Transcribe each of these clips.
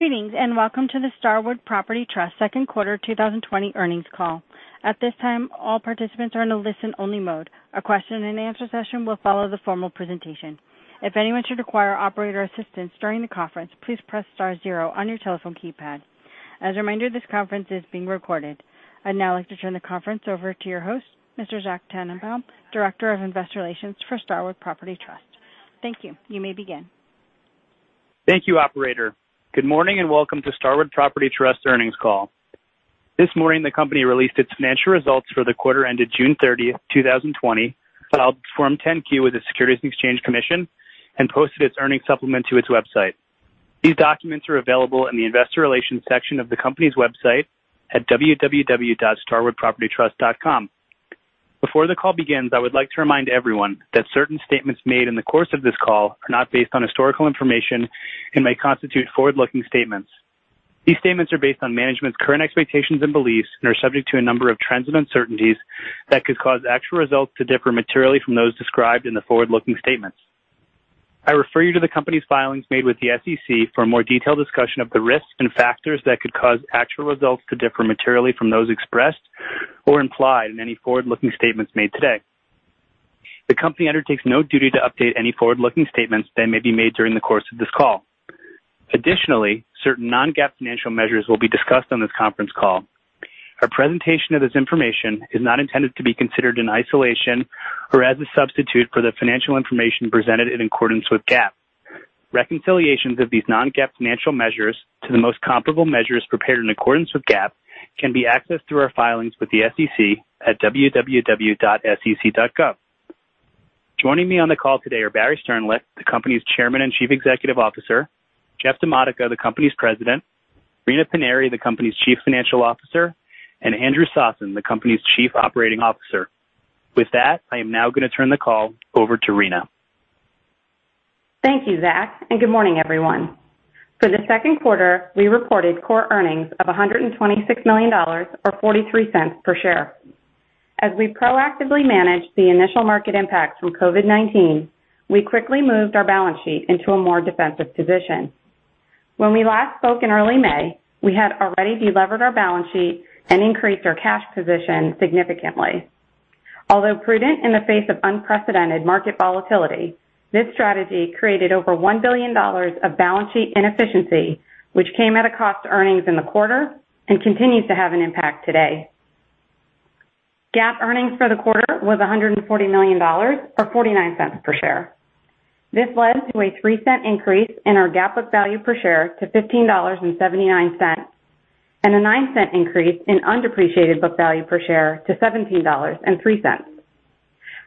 Greetings and welcome to the Starwood Property Trust Second Quarter 2020 Earnings Call. At this time, all participants are in a listen-only mode. A question and answer session will follow the formal presentation. If anyone should require operator assistance during the conference, please press star zero on your telephone keypad. As a reminder, this conference is being recorded. I'd now like to turn the conference over to your host, Mr. Zack Tanenbaum, Director of Investor Relations for Starwood Property Trust. Thank you. You may begin. Thank you, Operator. Good morning and welcome to Starwood Property Trust earnings call. This morning, the company released its financial results for the quarter ended June 30th, 2020, filed Form 10-Q with the Securities and Exchange Commission, and posted its earnings supplement to its website. These documents are available in the Investor Relations section of the company's website at www.starwoodpropertytrust.com. Before the call begins, I would like to remind everyone that certain statements made in the course of this call are not based on historical information and may constitute forward-looking statements. These statements are based on management's current expectations and beliefs and are subject to a number of trends and uncertainties that could cause actual results to differ materially from those described in the forward-looking statements. I refer you to the company's filings made with the SEC for a more detailed discussion of the risks and factors that could cause actual results to differ materially from those expressed or implied in any forward-looking statements made today. The company undertakes no duty to update any forward-looking statements that may be made during the course of this call. Additionally, certain non-GAAP financial measures will be discussed on this conference call. Our presentation of this information is not intended to be considered in isolation or as a substitute for the financial information presented in accordance with GAAP. Reconciliations of these non-GAAP financial measures to the most comparable measures prepared in accordance with GAAP can be accessed through our filings with the SEC at www.sec.gov. Joining me on the call today are Barry Sternlicht, the company's Chairman and Chief Executive Officer, Jeff Dimodica, the company's President, Rina Paniry, the company's Chief Financial Officer, and Andrew Sossen, the company's Chief Operating Officer. With that, I am now going to turn the call over to Rina. Thank you, Zack, and good morning, everyone. For the second quarter, we reported core earnings of $126 million or $0.43 per share. As we proactively managed the initial market impact from COVID-19, we quickly moved our balance sheet into a more defensive position. When we last spoke in early May, we had already delivered our balance sheet and increased our cash position significantly. Although prudent in the face of unprecedented market volatility, this strategy created over $1 billion of balance sheet inefficiency, which came at a cost to earnings in the quarter and continues to have an impact today. GAAP earnings for the quarter was $140 million or $0.49 per share. This led to a $0.03 increase in our GAAP book value per share to $15.79 and a $0.09 increase in undepreciated book value per share to $17.03.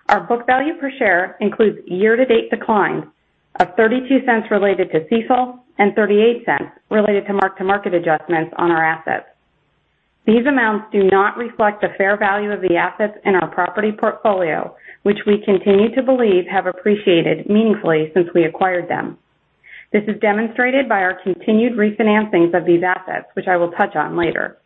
Our book value per share includes year-to-date declines of $0.32 related to CESOL and $0.38 related to mark-to-market adjustments on our assets. These amounts do not reflect the fair value of the assets in our property portfolio, which we continue to believe have appreciated meaningfully since we acquired them. This is demonstrated by our continued refinancings of these assets, which I will touch on later.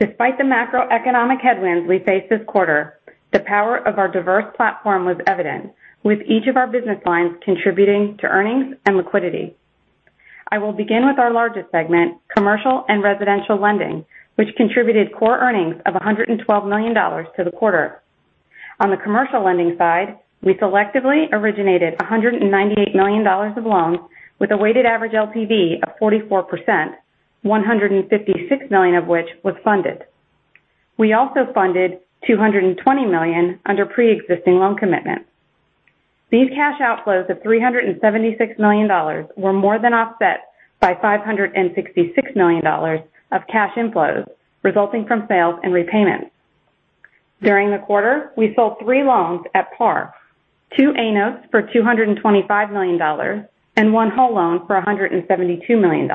Despite the macroeconomic headwinds we faced this quarter, the power of our diverse platform was evident, with each of our business lines contributing to earnings and liquidity. I will begin with our largest segment, commercial and residential lending, which contributed core earnings of $112 million to the quarter. On the commercial lending side, we selectively originated $198 million of loans with a weighted average LTV of 44%, $156 million of which was funded. We also funded $220 million under pre-existing loan commitments. These cash outflows of $376 million were more than offset by $566 million of cash inflows resulting from sales and repayments. During the quarter, we sold three loans at par: two A-notes for $225 million and one whole loan for $172 million.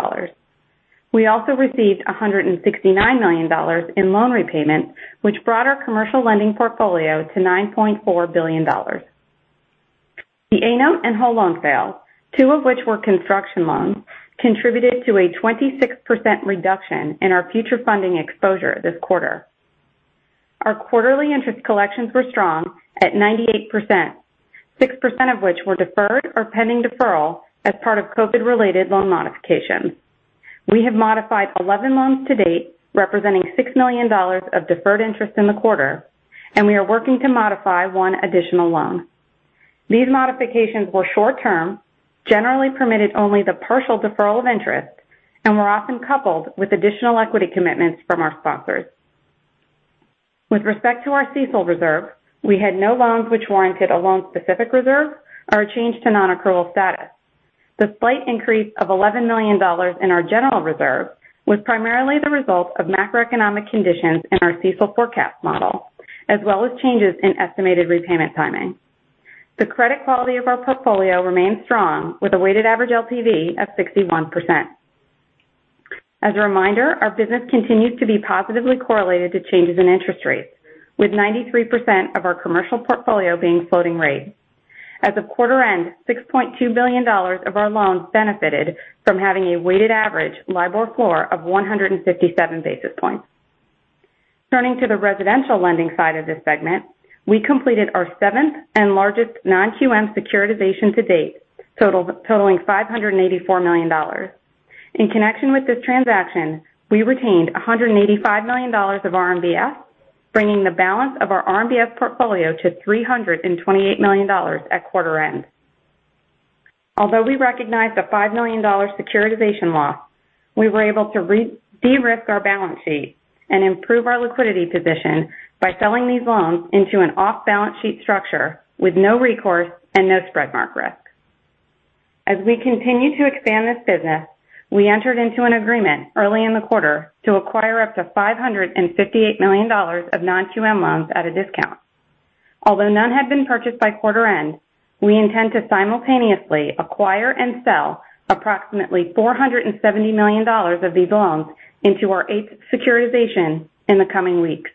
We also received $169 million in loan repayments, which brought our commercial lending portfolio to $9.4 billion. The A-note and whole loan sales, two of which were construction loans, contributed to a 26% reduction in our future funding exposure this quarter. Our quarterly interest collections were strong at 98%, 6% of which were deferred or pending deferral as part of COVID-related loan modifications. We have modified 11 loans to date, representing $6 million of deferred interest in the quarter, and we are working to modify one additional loan. These modifications were short-term, generally permitted only the partial deferral of interest, and were often coupled with additional equity commitments from our sponsors. With respect to our CESOL reserve, we had no loans which warranted a loan-specific reserve or a change to non-accrual status. The slight increase of $11 million in our general reserve was primarily the result of macroeconomic conditions in our CESOL forecast model, as well as changes in estimated repayment timing. The credit quality of our portfolio remained strong, with a weighted average LTV of 61%. As a reminder, our business continues to be positively correlated to changes in interest rates, with 93% of our commercial portfolio being floating rate. As of quarter end, $6.2 billion of our loans benefited from having a weighted average Libor floor of 157 basis points. Turning to the residential lending side of this segment, we completed our seventh and largest non-QM securitization to date, totaling $584 million. In connection with this transaction, we retained $185 million of RMBS, bringing the balance of our RMBS portfolio to $328 million at quarter end. Although we recognized a $5 million securitization loss, we were able to de-risk our balance sheet and improve our liquidity position by selling these loans into an off-balance sheet structure with no recourse and no spread mark risk. As we continue to expand this business, we entered into an agreement early in the quarter to acquire up to $558 million of non-QM loans at a discount. Although none had been purchased by quarter end, we intend to simultaneously acquire and sell approximately $470 million of these loans into our eighth securitization in the coming weeks.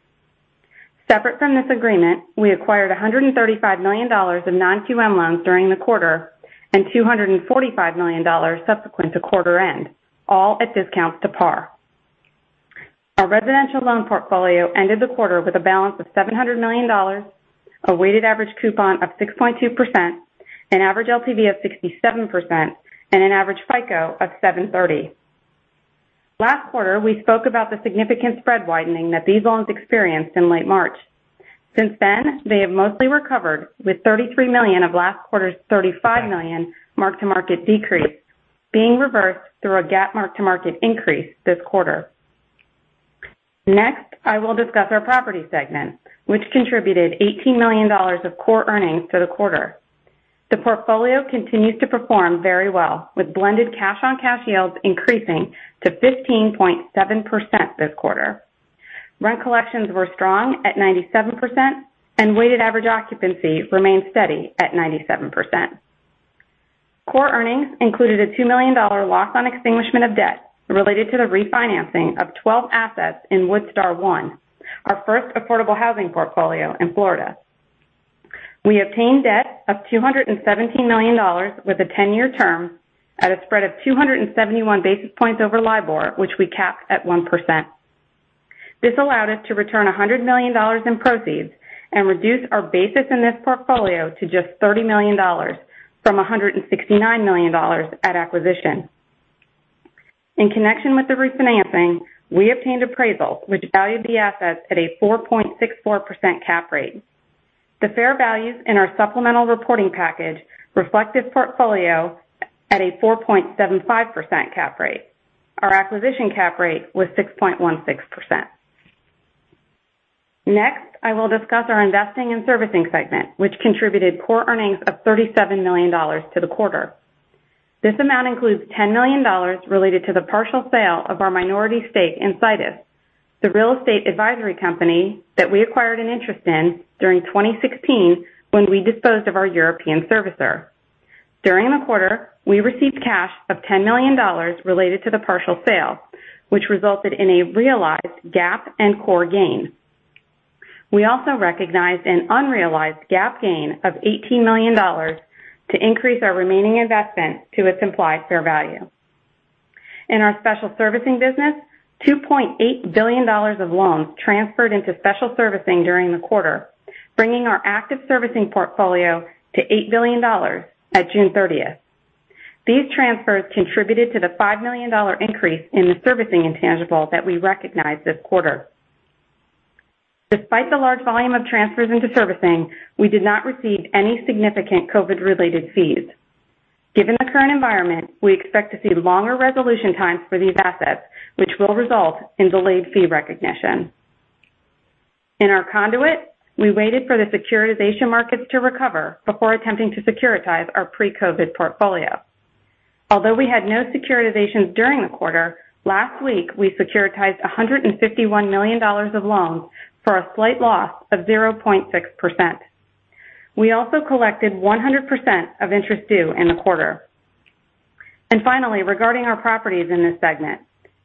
Separate from this agreement, we acquired $135 million of non-QM loans during the quarter and $245 million subsequent to quarter end, all at discounts to par. Our residential loan portfolio ended the quarter with a balance of $700 million, a weighted average coupon of 6.2%, an average LTV of 67%, and an average FICO of 730. Last quarter, we spoke about the significant spread widening that these loans experienced in late March. Since then, they have mostly recovered, with $33 million of last quarter's $35 million mark-to-market decrease being reversed through a GAAP mark-to-market increase this quarter. Next, I will discuss our property segment, which contributed $18 million of core earnings to the quarter. The portfolio continues to perform very well, with blended cash-on-cash yields increasing to 15.7% this quarter. Rent collections were strong at 97%, and weighted average occupancy remained steady at 97%. Core earnings included a $2 million loss on extinguishment of debt related to the refinancing of 12 assets in Woodstar One, our first affordable housing portfolio in Florida. We obtained debt of $217 million with a 10-year term at a spread of 271 basis points over Libor, which we capped at 1%. This allowed us to return $100 million in proceeds and reduce our basis in this portfolio to just $30 million from $169 million at acquisition. In connection with the refinancing, we obtained appraisals, which valued the assets at a 4.64% cap rate. The fair values in our supplemental reporting package reflect this portfolio at a 4.75% cap rate. Our acquisition cap rate was 6.16%. Next, I will discuss our investing and servicing segment, which contributed core earnings of $37 million to the quarter. This amount includes $10 million related to the partial sale of our minority stake in Cytis, the real estate advisory company that we acquired an interest in during 2016 when we disposed of our European servicer. During the quarter, we received cash of $10 million related to the partial sale, which resulted in a realized GAAP and core gain. We also recognized an unrealized GAAP gain of $18 million to increase our remaining investment to its implied fair value. In our special servicing business, $2.8 billion of loans transferred into special servicing during the quarter, bringing our active servicing portfolio to $8 billion at June 30th. These transfers contributed to the $5 million increase in the servicing intangible that we recognized this quarter. Despite the large volume of transfers into servicing, we did not receive any significant COVID-related fees. Given the current environment, we expect to see longer resolution times for these assets, which will result in delayed fee recognition. In our conduit, we waited for the securitization markets to recover before attempting to securitize our pre-COVID portfolio. Although we had no securitizations during the quarter, last week we securitized $151 million of loans for a slight loss of 0.6%. We also collected 100% of interest due in the quarter, and finally, regarding our properties in this segment,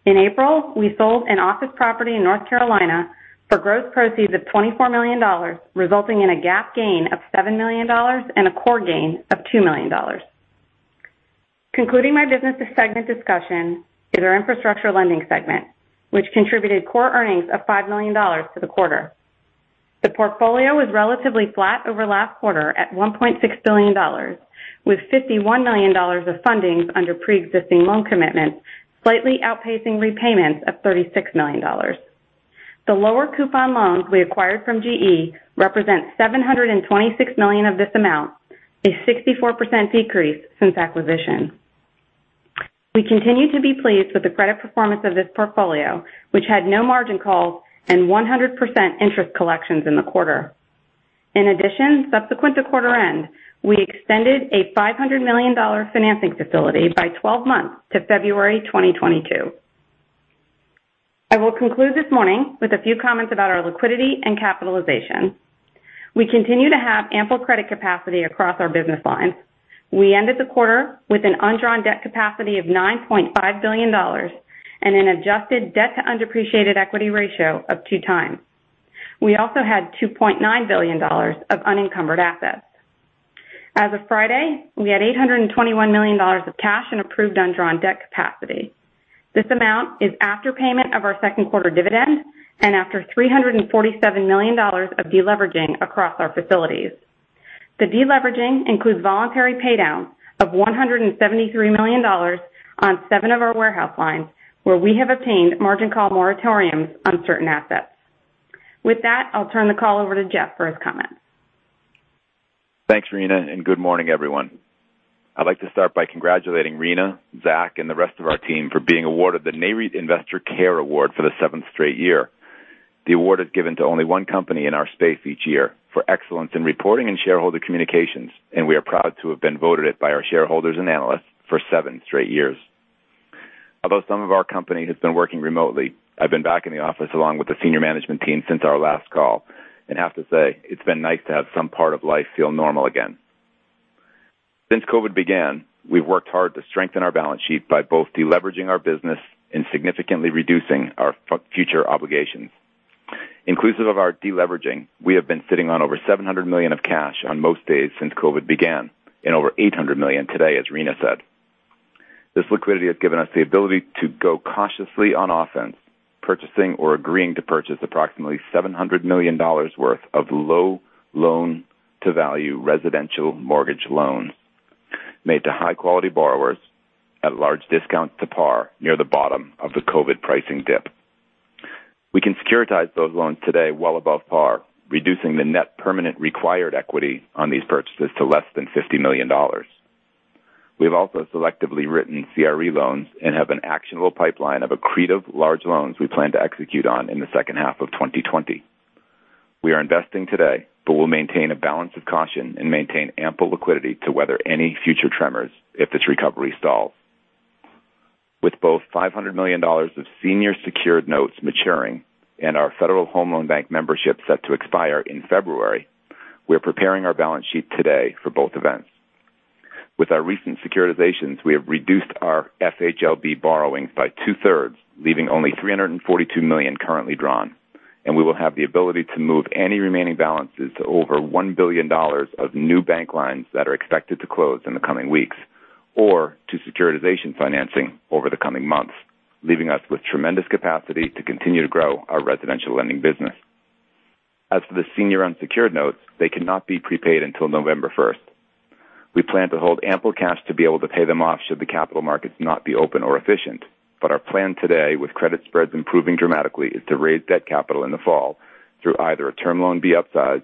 in April, we sold an office property in North Carolina for gross proceeds of $24 million, resulting in a GAAP gain of $7 million and a core gain of $2 million. Concluding my business segment discussion is our infrastructure lending segment, which contributed core earnings of $5 million to the quarter. The portfolio was relatively flat over last quarter at $1.6 billion, with $51 million of fundings under pre-existing loan commitments slightly outpacing repayments of $36 million. The lower coupon loans we acquired from GE represent $726 million of this amount, a 64% decrease since acquisition. We continue to be pleased with the credit performance of this portfolio, which had no margin calls and 100% interest collections in the quarter. In addition, subsequent to quarter end, we extended a $500 million financing facility by 12 months to February 2022. I will conclude this morning with a few comments about our liquidity and capitalization. We continue to have ample credit capacity across our business lines. We ended the quarter with an undrawn debt capacity of $9.5 billion and an adjusted debt-to-undepreciated equity ratio of 2x. We also had $2.9 billion of unencumbered assets. As of Friday, we had $821 million of cash and approved undrawn debt capacity. This amount is after payment of our second quarter dividend and after $347 million of deleveraging across our facilities. The deleveraging includes voluntary paydowns of $173 million on seven of our warehouse lines, where we have obtained margin call moratoriums on certain assets. With that, I'll turn the call over to Jeff for his comments. Thanks, Rina, and good morning, everyone. I'd like to start by congratulating Rina, Zack, and the rest of our team for being awarded the Nareit Investor Care Award for the seventh straight year. The award is given to only one company in our space each year for excellence in reporting and shareholder communications, and we are proud to have been voted it by our shareholders and analysts for seven straight years. Although some of our company has been working remotely, I've been back in the office along with the senior management team since our last call, and have to say, it's been nice to have some part of life feel normal again. Since COVID began, we've worked hard to strengthen our balance sheet by both deleveraging our business and significantly reducing our future obligations. Inclusive of our deleveraging, we have been sitting on over $700 million of cash on most days since COVID began, and over $800 million today, as Rina said. This liquidity has given us the ability to go cautiously on offense, purchasing or agreeing to purchase approximately $700 million worth of low loan-to-value residential mortgage loans made to high-quality borrowers at large discounts to par near the bottom of the COVID pricing dip. We can securitize those loans today well above par, reducing the net permanent required equity on these purchases to less than $50 million. We have also selectively written CRE loans and have an actionable pipeline of accretive large loans we plan to execute on in the second half of 2020. We are investing today, but we'll maintain a balance of caution and maintain ample liquidity to weather any future tremors if this recovery stalls. With both $500 million of senior secured notes maturing and our Federal Home Loan Bank membership set to expire in February, we are preparing our balance sheet today for both events. With our recent securitizations, we have reduced our FHLB borrowings by two-thirds, leaving only $342 million currently drawn, and we will have the ability to move any remaining balances to over $1 billion of new bank lines that are expected to close in the coming weeks or to securitization financing over the coming months, leaving us with tremendous capacity to continue to grow our residential lending business. As for the senior unsecured notes, they cannot be prepaid until November first. We plan to hold ample cash to be able to pay them off should the capital markets not be open or efficient, but our plan today, with credit spreads improving dramatically, is to raise debt capital in the fall through either a term loan B upsized,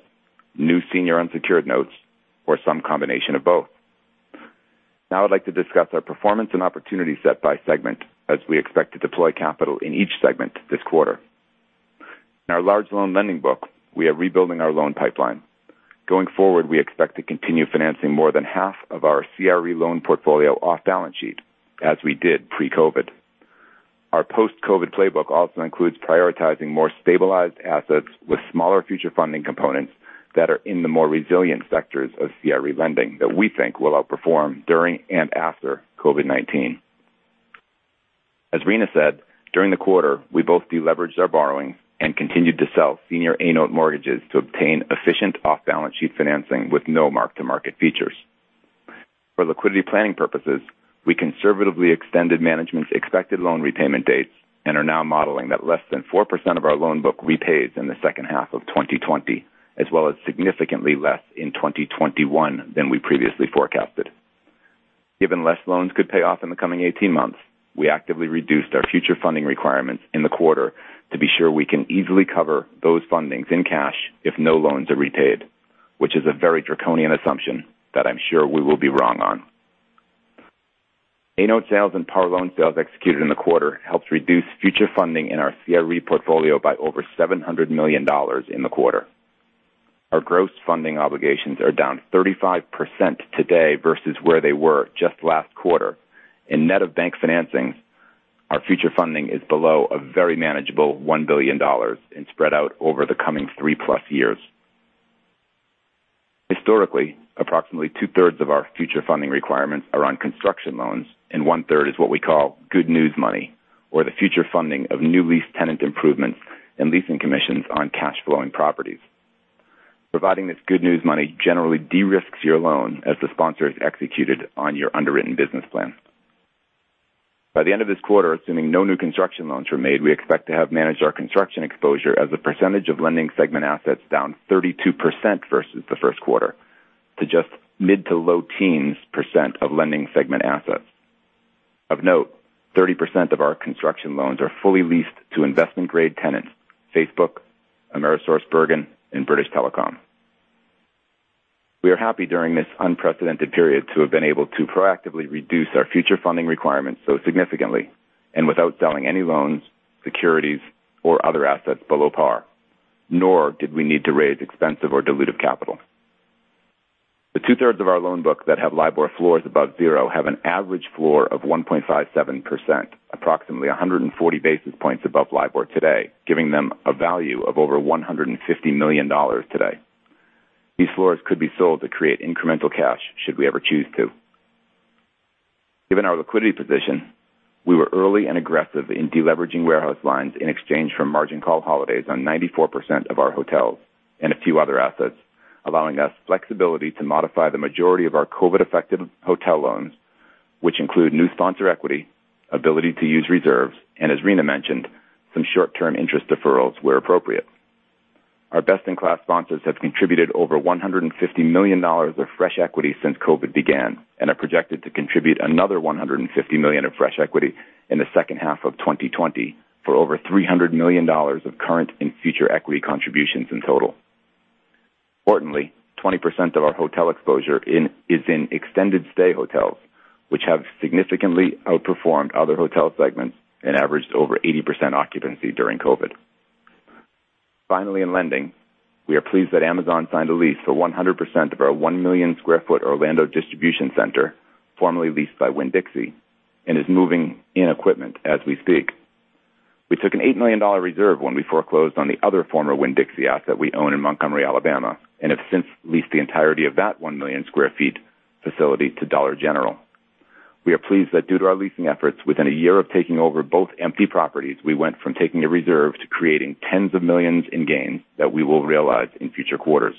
new senior unsecured notes, or some combination of both. Now I'd like to discuss our performance and opportunity set by segment as we expect to deploy capital in each segment this quarter. In our large loan lending book, we are rebuilding our loan pipeline. Going forward, we expect to continue financing more than half of our CRE loan portfolio off balance sheet as we did pre-COVID. Our post-COVID playbook also includes prioritizing more stabilized assets with smaller future funding components that are in the more resilient sectors of CRE lending that we think will outperform during and after COVID-19. As Rina said, during the quarter, we both deleveraged our borrowings and continued to sell senior A-Note mortgages to obtain efficient off-balance sheet financing with no mark-to-market features. For liquidity planning purposes, we conservatively extended management's expected loan repayment dates and are now modeling that less than 4% of our loan book repays in the second half of 2020, as well as significantly less in 2021 than we previously forecasted. Given less loans could pay off in the coming 18 months, we actively reduced our future funding requirements in the quarter to be sure we can easily cover those fundings in cash if no loans are repaid, which is a very draconian assumption that I'm sure we will be wrong on. A-Note sales and par loan sales executed in the quarter helped reduce future funding in our CRE portfolio by over $700 million in the quarter. Our gross funding obligations are down 35% today versus where they were just last quarter. In net of bank financings, our future funding is below a very manageable $1 billion and spread out over the coming three-plus years. Historically, approximately two-thirds of our future funding requirements are on construction loans, and one-third is what we call good news money, or the future funding of new lease tenant improvements and leasing commissions on cash-flowing properties. Providing this good news money generally de-risks your loan as the sponsor is executed on your underwritten business plan. By the end of this quarter, assuming no new construction loans were made, we expect to have managed our construction exposure as a percentage of lending segment assets down 32% versus the first quarter to just mid- to low-teens percent of lending segment assets. Of note, 30% of our construction loans are fully leased to investment-grade tenants: Facebook, AmerisourceBergen, and British Telecom. We are happy during this unprecedented period to have been able to proactively reduce our future funding requirements so significantly and without selling any loans, securities, or other assets below par, nor did we need to raise expensive or diluted capital. The two-thirds of our loan book that have Libor floors above zero have an average floor of 1.57%, approximately 140 basis points above Libor today, giving them a value of over $150 million today. These floors could be sold to create incremental cash should we ever choose to. Given our liquidity position, we were early and aggressive in deleveraging warehouse lines in exchange for margin call holidays on 94% of our hotels and a few other assets, allowing us flexibility to modify the majority of our COVID-affected hotel loans, which include new sponsor equity, ability to use reserves, and, as Rina mentioned, some short-term interest deferrals where appropriate. Our best-in-class sponsors have contributed over $150 million of fresh equity since COVID began and are projected to contribute another $150 million of fresh equity in the second half of 2020 for over $300 million of current and future equity contributions in total. Importantly, 20% of our hotel exposure is in extended-stay hotels, which have significantly outperformed other hotel segments and averaged over 80% occupancy during COVID. Finally, in lending, we are pleased that Amazon signed a lease for 100% of our one million sq ft Orlando distribution center, formerly leased by Winn-Dixie, and is moving in equipment as we speak. We took an $8 million reserve when we foreclosed on the other former Winn-Dixie asset we own in Montgomery, Alabama, and have since leased the entirety of that one million sq ft facility to Dollar General. We are pleased that due to our leasing efforts, within a year of taking over both empty properties, we went from taking a reserve to creating tens of millions in gains that we will realize in future quarters.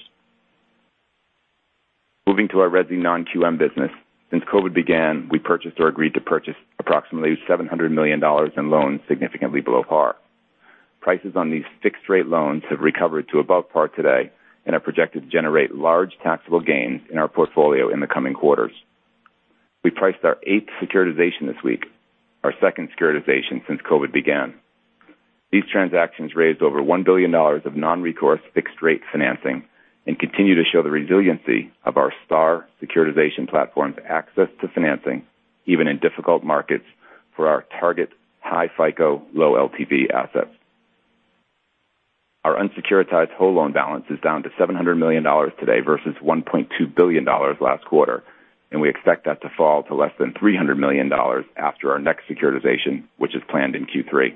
Moving to our REZI non-QM business, since COVID began, we purchased or agreed to purchase approximately $700 million in loans significantly below par. Prices on these fixed-rate loans have recovered to above par today and are projected to generate large taxable gains in our portfolio in the coming quarters. We priced our eighth securitization this week, our second securitization since COVID began. These transactions raised over $1 billion of non-recourse fixed-rate financing and continue to show the resiliency of our Star securitization platform's access to financing, even in difficult markets, for our target high FICO, low LTV assets. Our unsecuritized whole loan balance is down to $700 million today versus $1.2 billion last quarter, and we expect that to fall to less than $300 million after our next securitization, which is planned in Q3.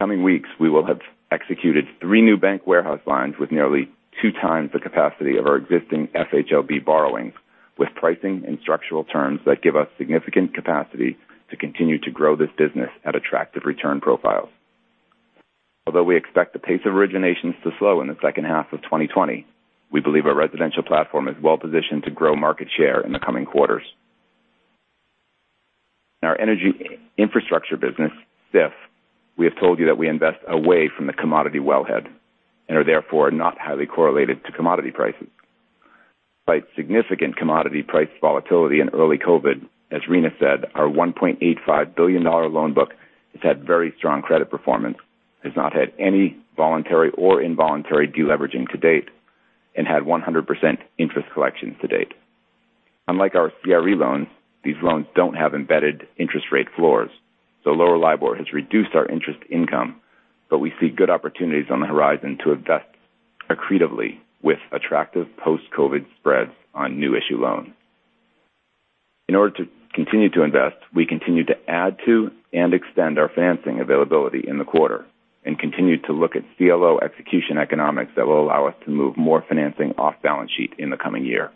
Coming weeks, we will have executed three new bank warehouse lines with nearly two times the capacity of our existing FHLB borrowings, with pricing and structural terms that give us significant capacity to continue to grow this business at attractive return profiles. Although we expect the pace of originations to slow in the second half of 2020, we believe our residential platform is well-positioned to grow market share in the coming quarters. In our energy infrastructure business, SIF, we have told you that we invest away from the commodity wellhead and are therefore not highly correlated to commodity prices. Despite significant commodity price volatility in early COVID, as Rina said, our $1.85 billion loan book has had very strong credit performance, has not had any voluntary or involuntary deleveraging to date, and had 100% interest collections to date. Unlike our CRE loans, these loans don't have embedded interest rate floors, so lower Libor has reduced our interest income, but we see good opportunities on the horizon to invest accretively with attractive post-COVID spreads on new issue loans. In order to continue to invest, we continue to add to and extend our financing availability in the quarter and continue to look at CLO execution economics that will allow us to move more financing off balance sheet in the coming year.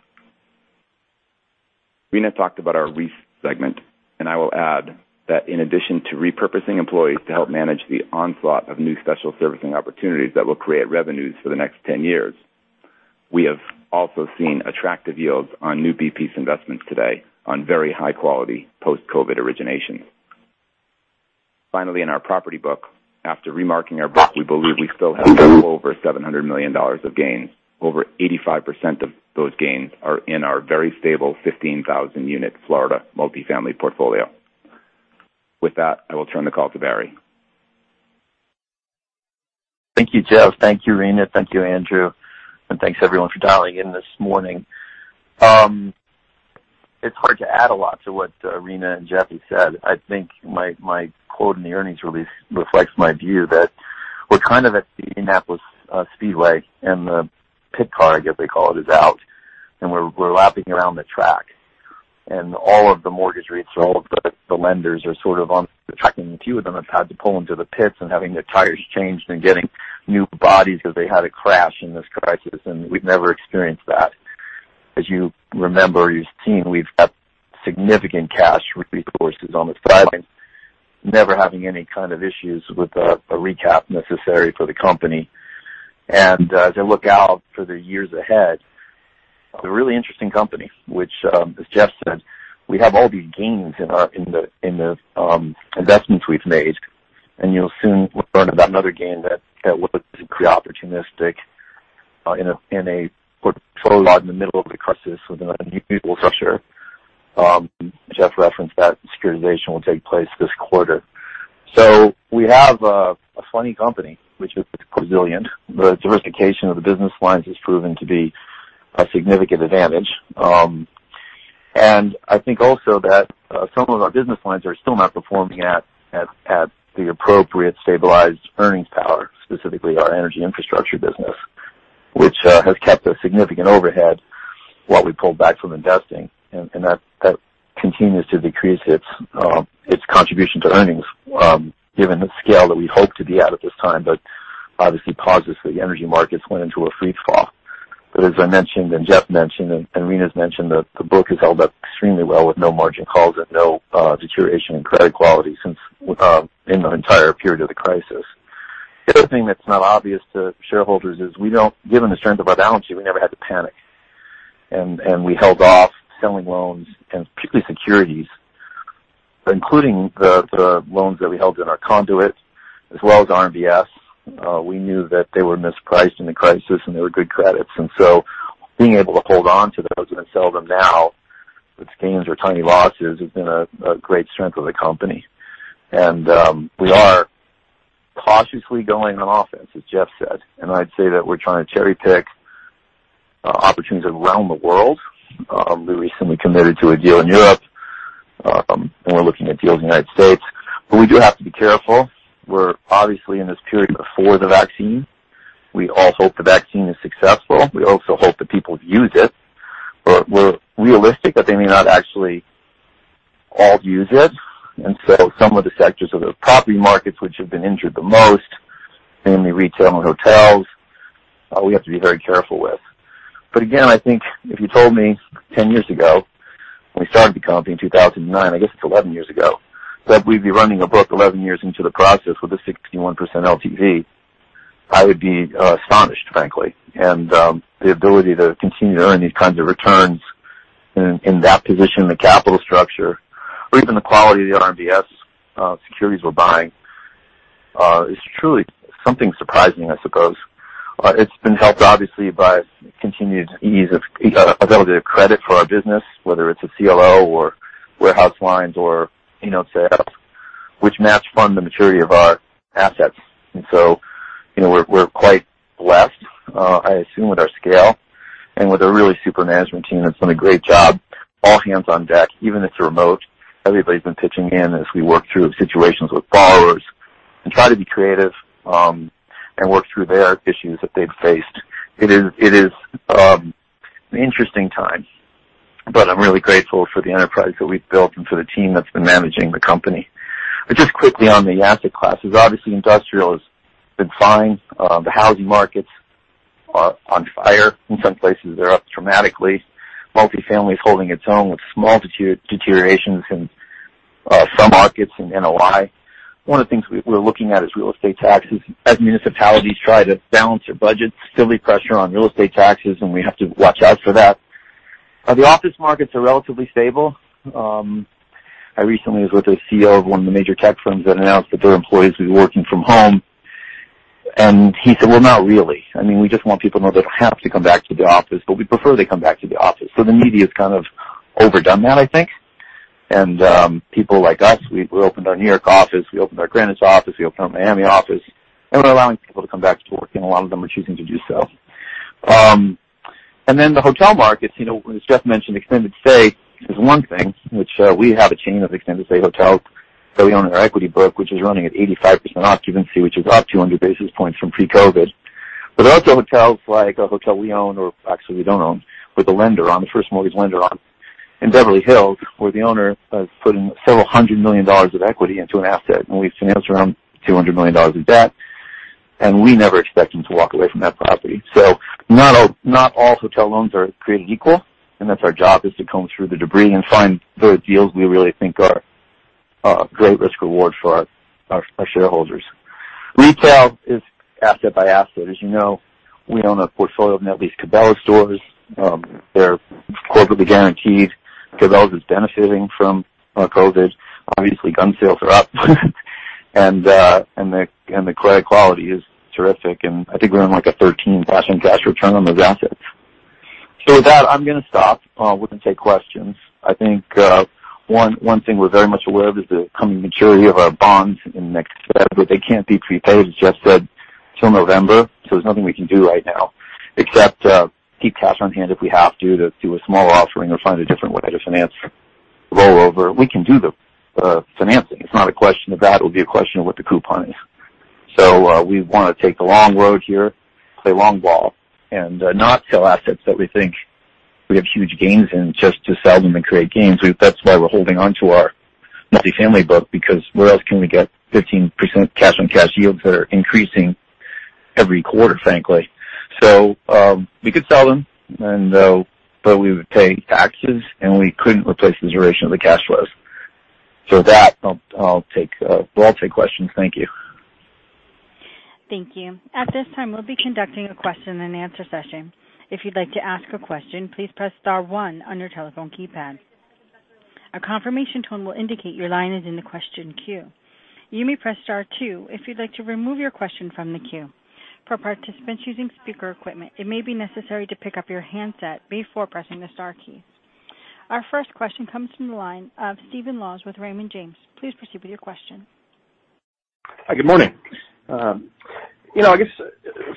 Rina talked about our REIF segment, and I will add that in addition to repurposing employees to help manage the onslaught of new special servicing opportunities that will create revenues for the next 10 years, we have also seen attractive yields on new B-notes investments today on very high-quality post-COVID originations. Finally, in our property book, after remarking our book, we believe we still have well over $700 million of gains. Over 85% of those gains are in our very stable 15,000-unit Florida multifamily portfolio. With that, I will turn the call to Barry. Thank you, Jeff. Thank you, Rina. Thank you, Andrew and thanks, everyone, for dialing in this morning. It's hard to add a lot to what Rina and Jeff have said. I think my quote in the earnings release reflects my view that we're kind of at the Indianapolis Speedway, and the pit car, I guess they call it, is out, and we're lapping around the track and all of the mortgage rates for all of the lenders are sort of on the track, and a few of them have had to pull into the pits and having their tires changed and getting new bodies because they had a crash in this crisis, and we've never experienced that. As you remember, you've seen we've got significant cash resources on the sidelines, never having any kind of issues with a recap necessary for the company. As I look out for the years ahead, it's a really interesting company, which, as Jeff said, we have all these gains in the investments we've made, and you'll soon learn about another gain that was opportunistic in a portfolio in the middle of the crisis with an unusual structure. Jeff referenced that securitization will take place this quarter. We have a funny company, which is resilient. The diversification of the business lines has proven to be a significant advantage. And I think also that some of our business lines are still not performing at the appropriate stabilized earnings power, specifically our energy infrastructure business, which has kept a significant overhead while we pulled back from investing, and that continues to decrease its contribution to earnings given the scale that we hope to be at at this time, but obviously pauses for the energy markets went into a freefall. But as I mentioned, and Jeff mentioned, and Rina's mentioned, the book has held up extremely well with no margin calls and no deterioration in credit quality since in the entire period of the crisis. The other thing that's not obvious to shareholders is we don't, given the strength of our balance sheet, we never had to panic, and we held off selling loans, and particularly securities, including the loans that we held in our conduit, as well as RMBS. We knew that they were mispriced in the crisis, and they were good credits, and so being able to hold on to those and sell them now with gains or tiny losses has been a great strength of the company, and we are cautiously going on offense, as Jeff said, and I'd say that we're trying to cherry-pick opportunities around the world. We recently committed to a deal in Europe, and we're looking at deals in the United States, but we do have to be careful. We're obviously in this period before the vaccine. We all hope the vaccine is successful. We also hope that people use it. We're realistic that they may not actually all use it, and so some of the sectors of the property markets, which have been injured the most, namely retail and hotels, we have to be very careful with. But again, I think if you told me 10 years ago, when we started the company in 2009, I guess it's 11 years ago, that we'd be running a book 11 years into the process with a 61% LTV, I would be astonished, frankly. And the ability to continue to earn these kinds of returns in that position, the capital structure, or even the quality of the RMBS securities we're buying is truly something surprising, I suppose. It's been helped, obviously, by continued ease of availability of credit for our business, whether it's a CLO or warehouse lines or in-house sales, which match fund the maturity of our assets. And so we're quite blessed, I assume, with our scale and with a really super management team that's done a great job, all hands on deck, even if it's remote. Everybody's been pitching in as we work through situations with borrowers and try to be creative and work through their issues that they've faced. It is an interesting time, but I'm really grateful for the enterprise that we've built and for the team that's been managing the company, but just quickly on the asset classes, obviously industrial has been fine. The housing markets are on fire. In some places, they're up dramatically. Multifamily is holding its own with small deteriorations in some markets and NOI. One of the things we're looking at is real estate taxes. As municipalities try to balance their budgets, significant pressure on real estate taxes, and we have to watch out for that. The office markets are relatively stable. I recently was with a CEO of one of the major tech firms that announced that their employees will be working from home, and he said, "Well, not really. I mean, we just want people to know they don't have to come back to the office, but we prefer they come back to the office." So the media has kind of overdone that, I think. And people like us, we opened our New York office, we opened our Greenwich office, we opened our Miami office, and we're allowing people to come back to work, and a lot of them are choosing to do so. And then the hotel markets, as Jeff mentioned, extended stay is one thing, which we have a chain of extended stay hotels that we own in our equity book, which is running at 85% occupancy, which is up 200 basis points from pre-COVID. But there are also hotels like a hotel we own, or actually we don't own, with a lender, on the first mortgage lender in Beverly Hills, where the owner has put in several $100 million of equity into an asset, and we've financed around $200 million in debt, and we never expect them to walk away from that property. So not all hotel loans are created equal, and that's our job, is to comb through the debris and find the deals we really think are great risk-reward for our shareholders. Retail is asset by asset. As you know, we own a portfolio of net lease Cabela's stores. They're corporately guaranteed. Cabela's is benefiting from COVID. Obviously, gun sales are up, and the credit quality is terrific, and I think we're in like a 13% cash on cash return on those assets. So with that, I'm going to stop. We're going to take questions. I think one thing we're very much aware of is the coming maturity of our bonds in next step, but they can't be prepaid, as Jeff said, until November, so there's nothing we can do right now, except keep cash on hand if we have to, to do a smaller offering or find a different way to finance rollover. We can do the financing. It's not a question of that. It will be a question of what the coupon is. So we want to take the long road here, play long ball, and not sell assets that we think we have huge gains in just to sell them and create gains. That's why we're holding on to our multifamily book, because where else can we get 15% cash-on-cash yields that are increasing every quarter, frankly? So we could sell them, but we would pay taxes, and we couldn't replace the duration of the cash flows. So with that, we'll all take questions. Thank you. Thank you. At this time, we'll be conducting a question and answer session. If you'd like to ask a question, please press star one on your telephone keypad. A confirmation tone will indicate your line is in the question queue. You may press star two if you'd like to remove your question from the queue. For participants using speaker equipment, it may be necessary to pick up your handset before pressing the star key. Our first question comes from the line of Stephen Laws with Raymond James. Please proceed with your question. Hi, good morning. I guess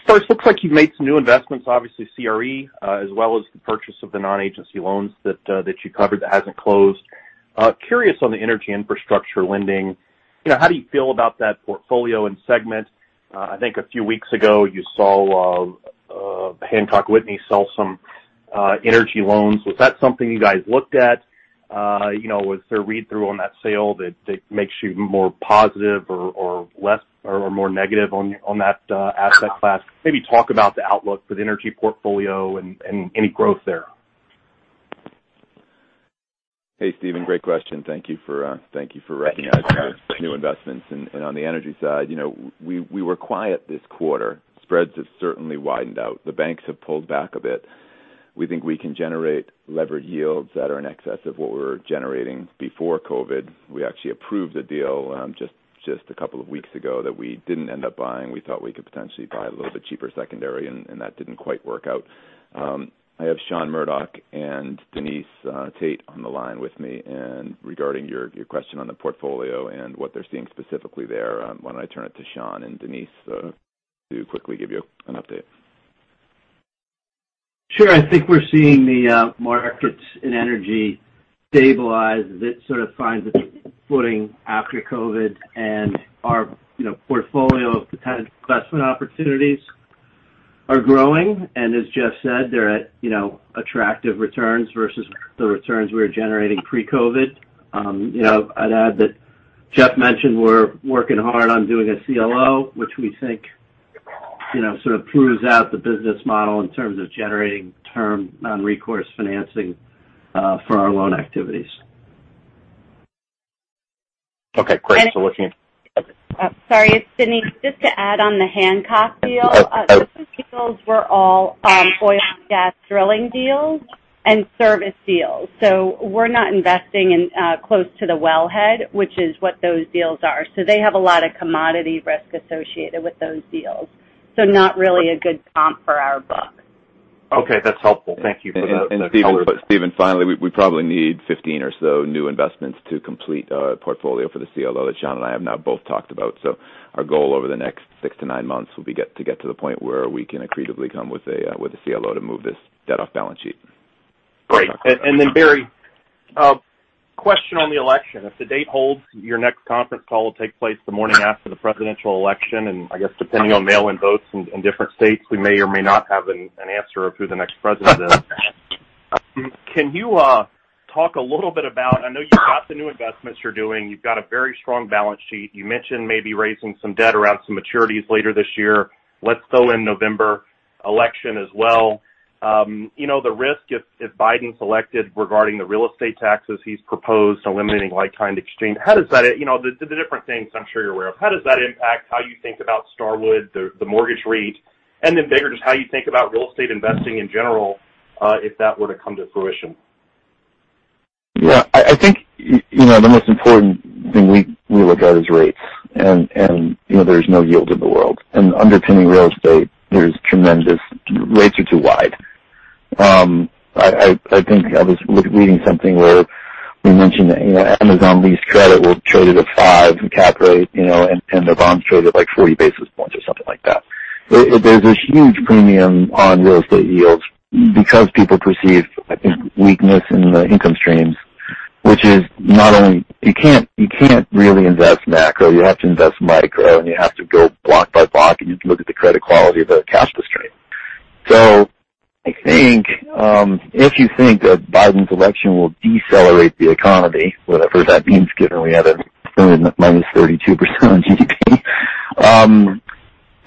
first, it looks like you've made some new investments, obviously CRE, as well as the purchase of the non-agency loans that you covered that hasn't closed. Curious on the energy infrastructure lending. How do you feel about that portfolio and segment? I think a few weeks ago, you saw Hancock Whitney sell some energy loans. Was that something you guys looked at? Was there a read-through on that sale that makes you more positive or more negative on that asset class? Maybe talk about the outlook for the energy portfolio and any growth there. Hey, Stephen, great question. Thank you for recognizing our new investments, and on the energy side, we were quiet this quarter. Spreads have certainly widened out. The banks have pulled back a bit. We think we can generate levered yields that are in excess of what we were generating before COVID. We actually approved a deal just a couple of weeks ago that we didn't end up buying. We thought we could potentially buy a little bit cheaper secondary, and that didn't quite work out. I have Sean Murdock and Denise Tait on the line with me, and regarding your question on the portfolio and what they're seeing specifically there, why don't I turn it to Sean and Denise to quickly give you an update? Sure. I think we're seeing the markets in energy stabilize. It sort of finds its footing after COVID, and our portfolio of potential investment opportunities are growing. And as Jeff said, they're at attractive returns versus the returns we were generating pre-COVID. I'd add that Jeff mentioned we're working hard on doing a CLO, which we think sort of proves out the business model in terms of generating term non-recourse financing for our loan activities. Okay. Great. So looking at. Sorry. It's Denise. Just to add on the Hancock deal, those deals were all oil and gas drilling deals and service deals. So we're not investing close to the wellhead, which is what those deals are. So they have a lot of commodity risk associated with those deals, so not really a good comp for our book. Okay. That's helpful. Thank you for that. Stephen, finally, we probably need 15 or so new investments to complete our portfolio for the CLO that Sean and I have now both talked about. Our goal over the next six to nine months will be to get to the point where we can accretively come with a CLO to move this debt off balance sheet. Great. And then, Barry, question on the election. If the date holds, your next conference call will take place the morning after the presidential election, and I guess depending on mail-in votes in different states, we may or may not have an answer of who the next president is. Can you talk a little bit about - I know you've got the new investments you're doing. You've got a very strong balance sheet. You mentioned maybe raising some debt around some maturities later this year. Let's go in November election as well. The risk, if Biden's elected, regarding the real estate taxes he's proposed, eliminating like-kind exchange, how does that - the different things I'm sure you're aware of - how does that impact how you think about Starwood, the mortgage rate, and then bigger, just how you think about real estate investing in general if that were to come to fruition? Yeah. I think the most important thing we look at is rates, and there's no yield in the world. Underpinning real estate, there's tremendous, rates are too wide. I think I was reading something where we mentioned Amazon Lease Credit will trade at a 5% cap rate, and their bonds trade at like 40 basis points or something like that. There's a huge premium on real estate yields because people perceive, I think, weakness in the income streams, which is not only, you can't really invest macro. You have to invest micro, and you have to go block by block, and you can look at the credit quality of a cash flow stream. So I think if you think that Biden's election will decelerate the economy, whatever that means, given we have a minus 32% on GDP,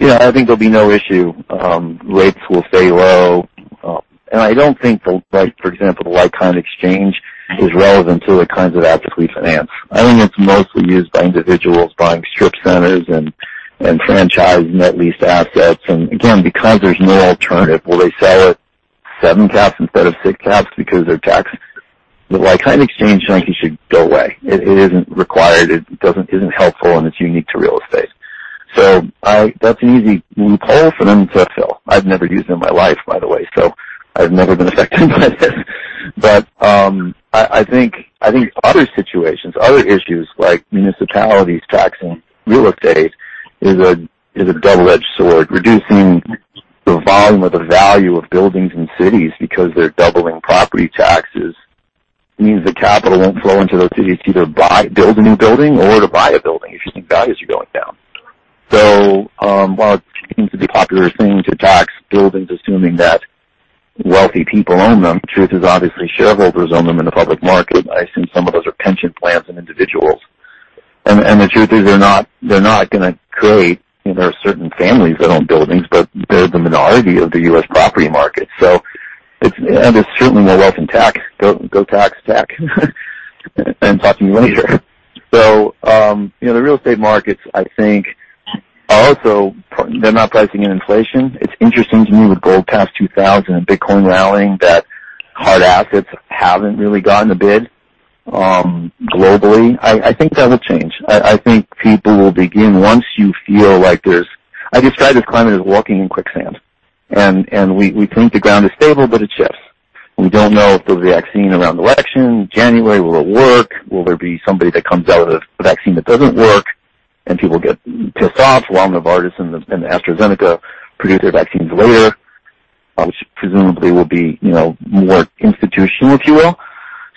I think there'll be no issue. Rates will stay low. I don't think, for example, the like-kind exchange is relevant to the kinds of assets we finance. I think it's mostly used by individuals buying strip centers and franchise net-leased assets. Again, because there's no alternative, will they sell it seven caps instead of six caps because their tax? The like-kind exchange thinking should go away. It isn't required. It isn't helpful, and it's unique to real estate. So that's an easy loophole for them to fill. I've never used it in my life, by the way, so I've never been affected by this. But I think other situations, other issues like municipalities taxing real estate is a double-edged sword. Reducing the volume or the value of buildings in cities because they're doubling property taxes means the capital won't flow into those cities to either build a new building or to buy a building if you think values are going down. So while it seems to be a popular thing to tax buildings assuming that wealthy people own them, the truth is obviously shareholders own them in the public market. I assume some of those are pension plans and individuals, and the truth is they're not going to create. There are certain families that own buildings, but they're the minority of the U.S. property market. So there's certainly more wealth in tax. Go tax tech and talk to me later. So the real estate markets, I think, are also. They're not pricing in inflation. It's interesting to me with gold past $2,000 and Bitcoin rallying that hard assets haven't really gotten a bid globally. I think that will change. I think people will begin once you feel like there's, I describe this climate as walking in quicksand. We think the ground is stable, but it shifts. We don't know if there'll be a vaccine around election. In January, will it work? Will there be somebody that comes out with a vaccine that doesn't work? People get pissed off. Walmart, Novartis, and AstraZeneca produce their vaccines later, which presumably will be more institutional, if you will.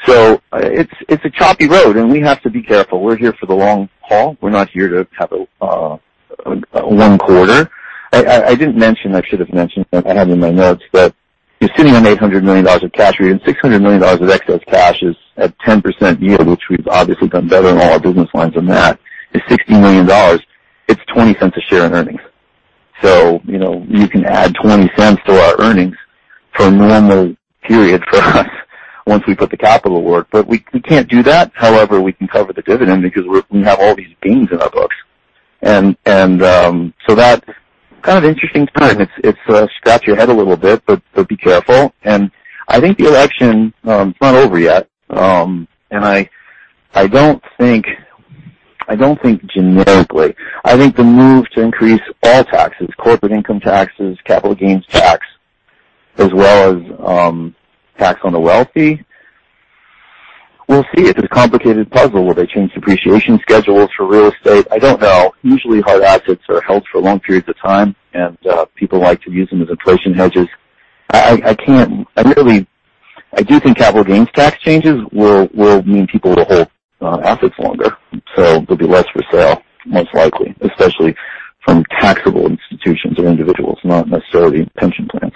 It's a choppy road, and we have to be careful. We're here for the long haul. We're not here to have a one quarter. I didn't mention. I should have mentioned that I have in my notes that you're sitting on $800 million of cash, or even $600 million of excess cash at 10% yield, which we've obviously done better in all our business lines than that. It's $60 million. It's $0.20 a share in earnings, so you can add $0.20 to our earnings for a normal period for us once we put the capital to work, but we can't do that. However, we can cover the dividend because we have all these beans in our books, and so that's kind of an interesting time. It's a scratch your head a little bit, but be careful, and I think the election is not over yet, and I don't think generically. I think the move to increase all taxes: corporate income taxes, capital gains tax, as well as tax on the wealthy. We'll see. It's a complicated puzzle. Will they change depreciation schedules for real estate? I don't know. Usually, hard assets are held for long periods of time, and people like to use them as inflation hedges. I do think capital gains tax changes will mean people will hold assets longer. So there'll be less for sale, most likely, especially from taxable institutions or individuals, not necessarily pension plans.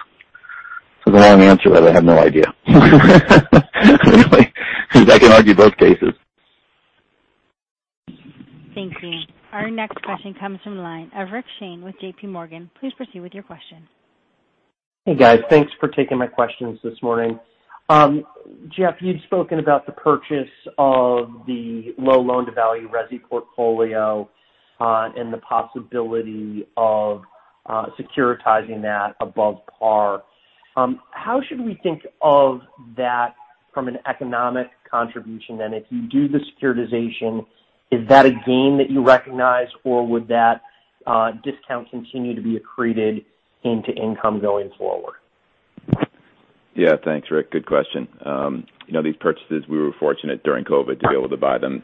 So the long answer is I have no idea. I can argue both cases. Thank you. Our next question comes from Rick Shane with JPMorgan. Please proceed with your question. Hey, guys. Thanks for taking my questions this morning. Jeff, you'd spoken about the purchase of the low loan-to-value Resi portfolio and the possibility of securitizing that above par. How should we think of that from an economic contribution? And if you do the securitization, is that a gain that you recognize, or would that discount continue to be accreted into income going forward? Yeah. Thanks, Rick. Good question. These purchases, we were fortunate during COVID to be able to buy them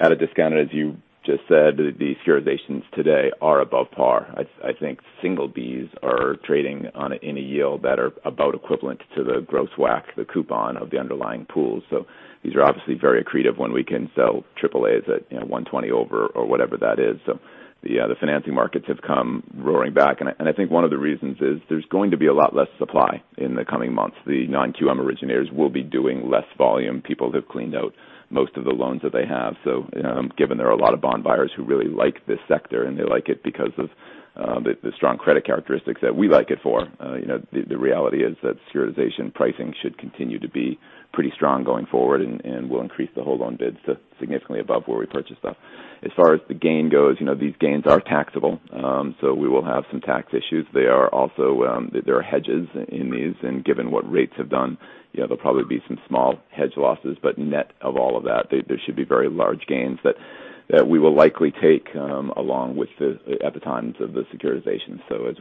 at a discount, as you just said. The securitizations today are above par. I think single Bs are trading on any yield that are about equivalent to the gross WACC, the coupon of the underlying pools. So these are obviously very accretive when we can sell AAAs at 120 over or whatever that is. So the financing markets have come roaring back. And I think one of the reasons is there's going to be a lot less supply in the coming months. The non-QM originators will be doing less volume. People have cleaned out most of the loans that they have. So given there are a lot of bond buyers who really like this sector, and they like it because of the strong credit characteristics that we like it for, the reality is that securitization pricing should continue to be pretty strong going forward and will increase the whole loan bids to significantly above where we purchased stuff. As far as the gain goes, these gains are taxable, so we will have some tax issues. There are hedges in these, and given what rates have done, there'll probably be some small hedge losses, but net of all of that, there should be very large gains that we will likely take along with that at the times of the securitization, so as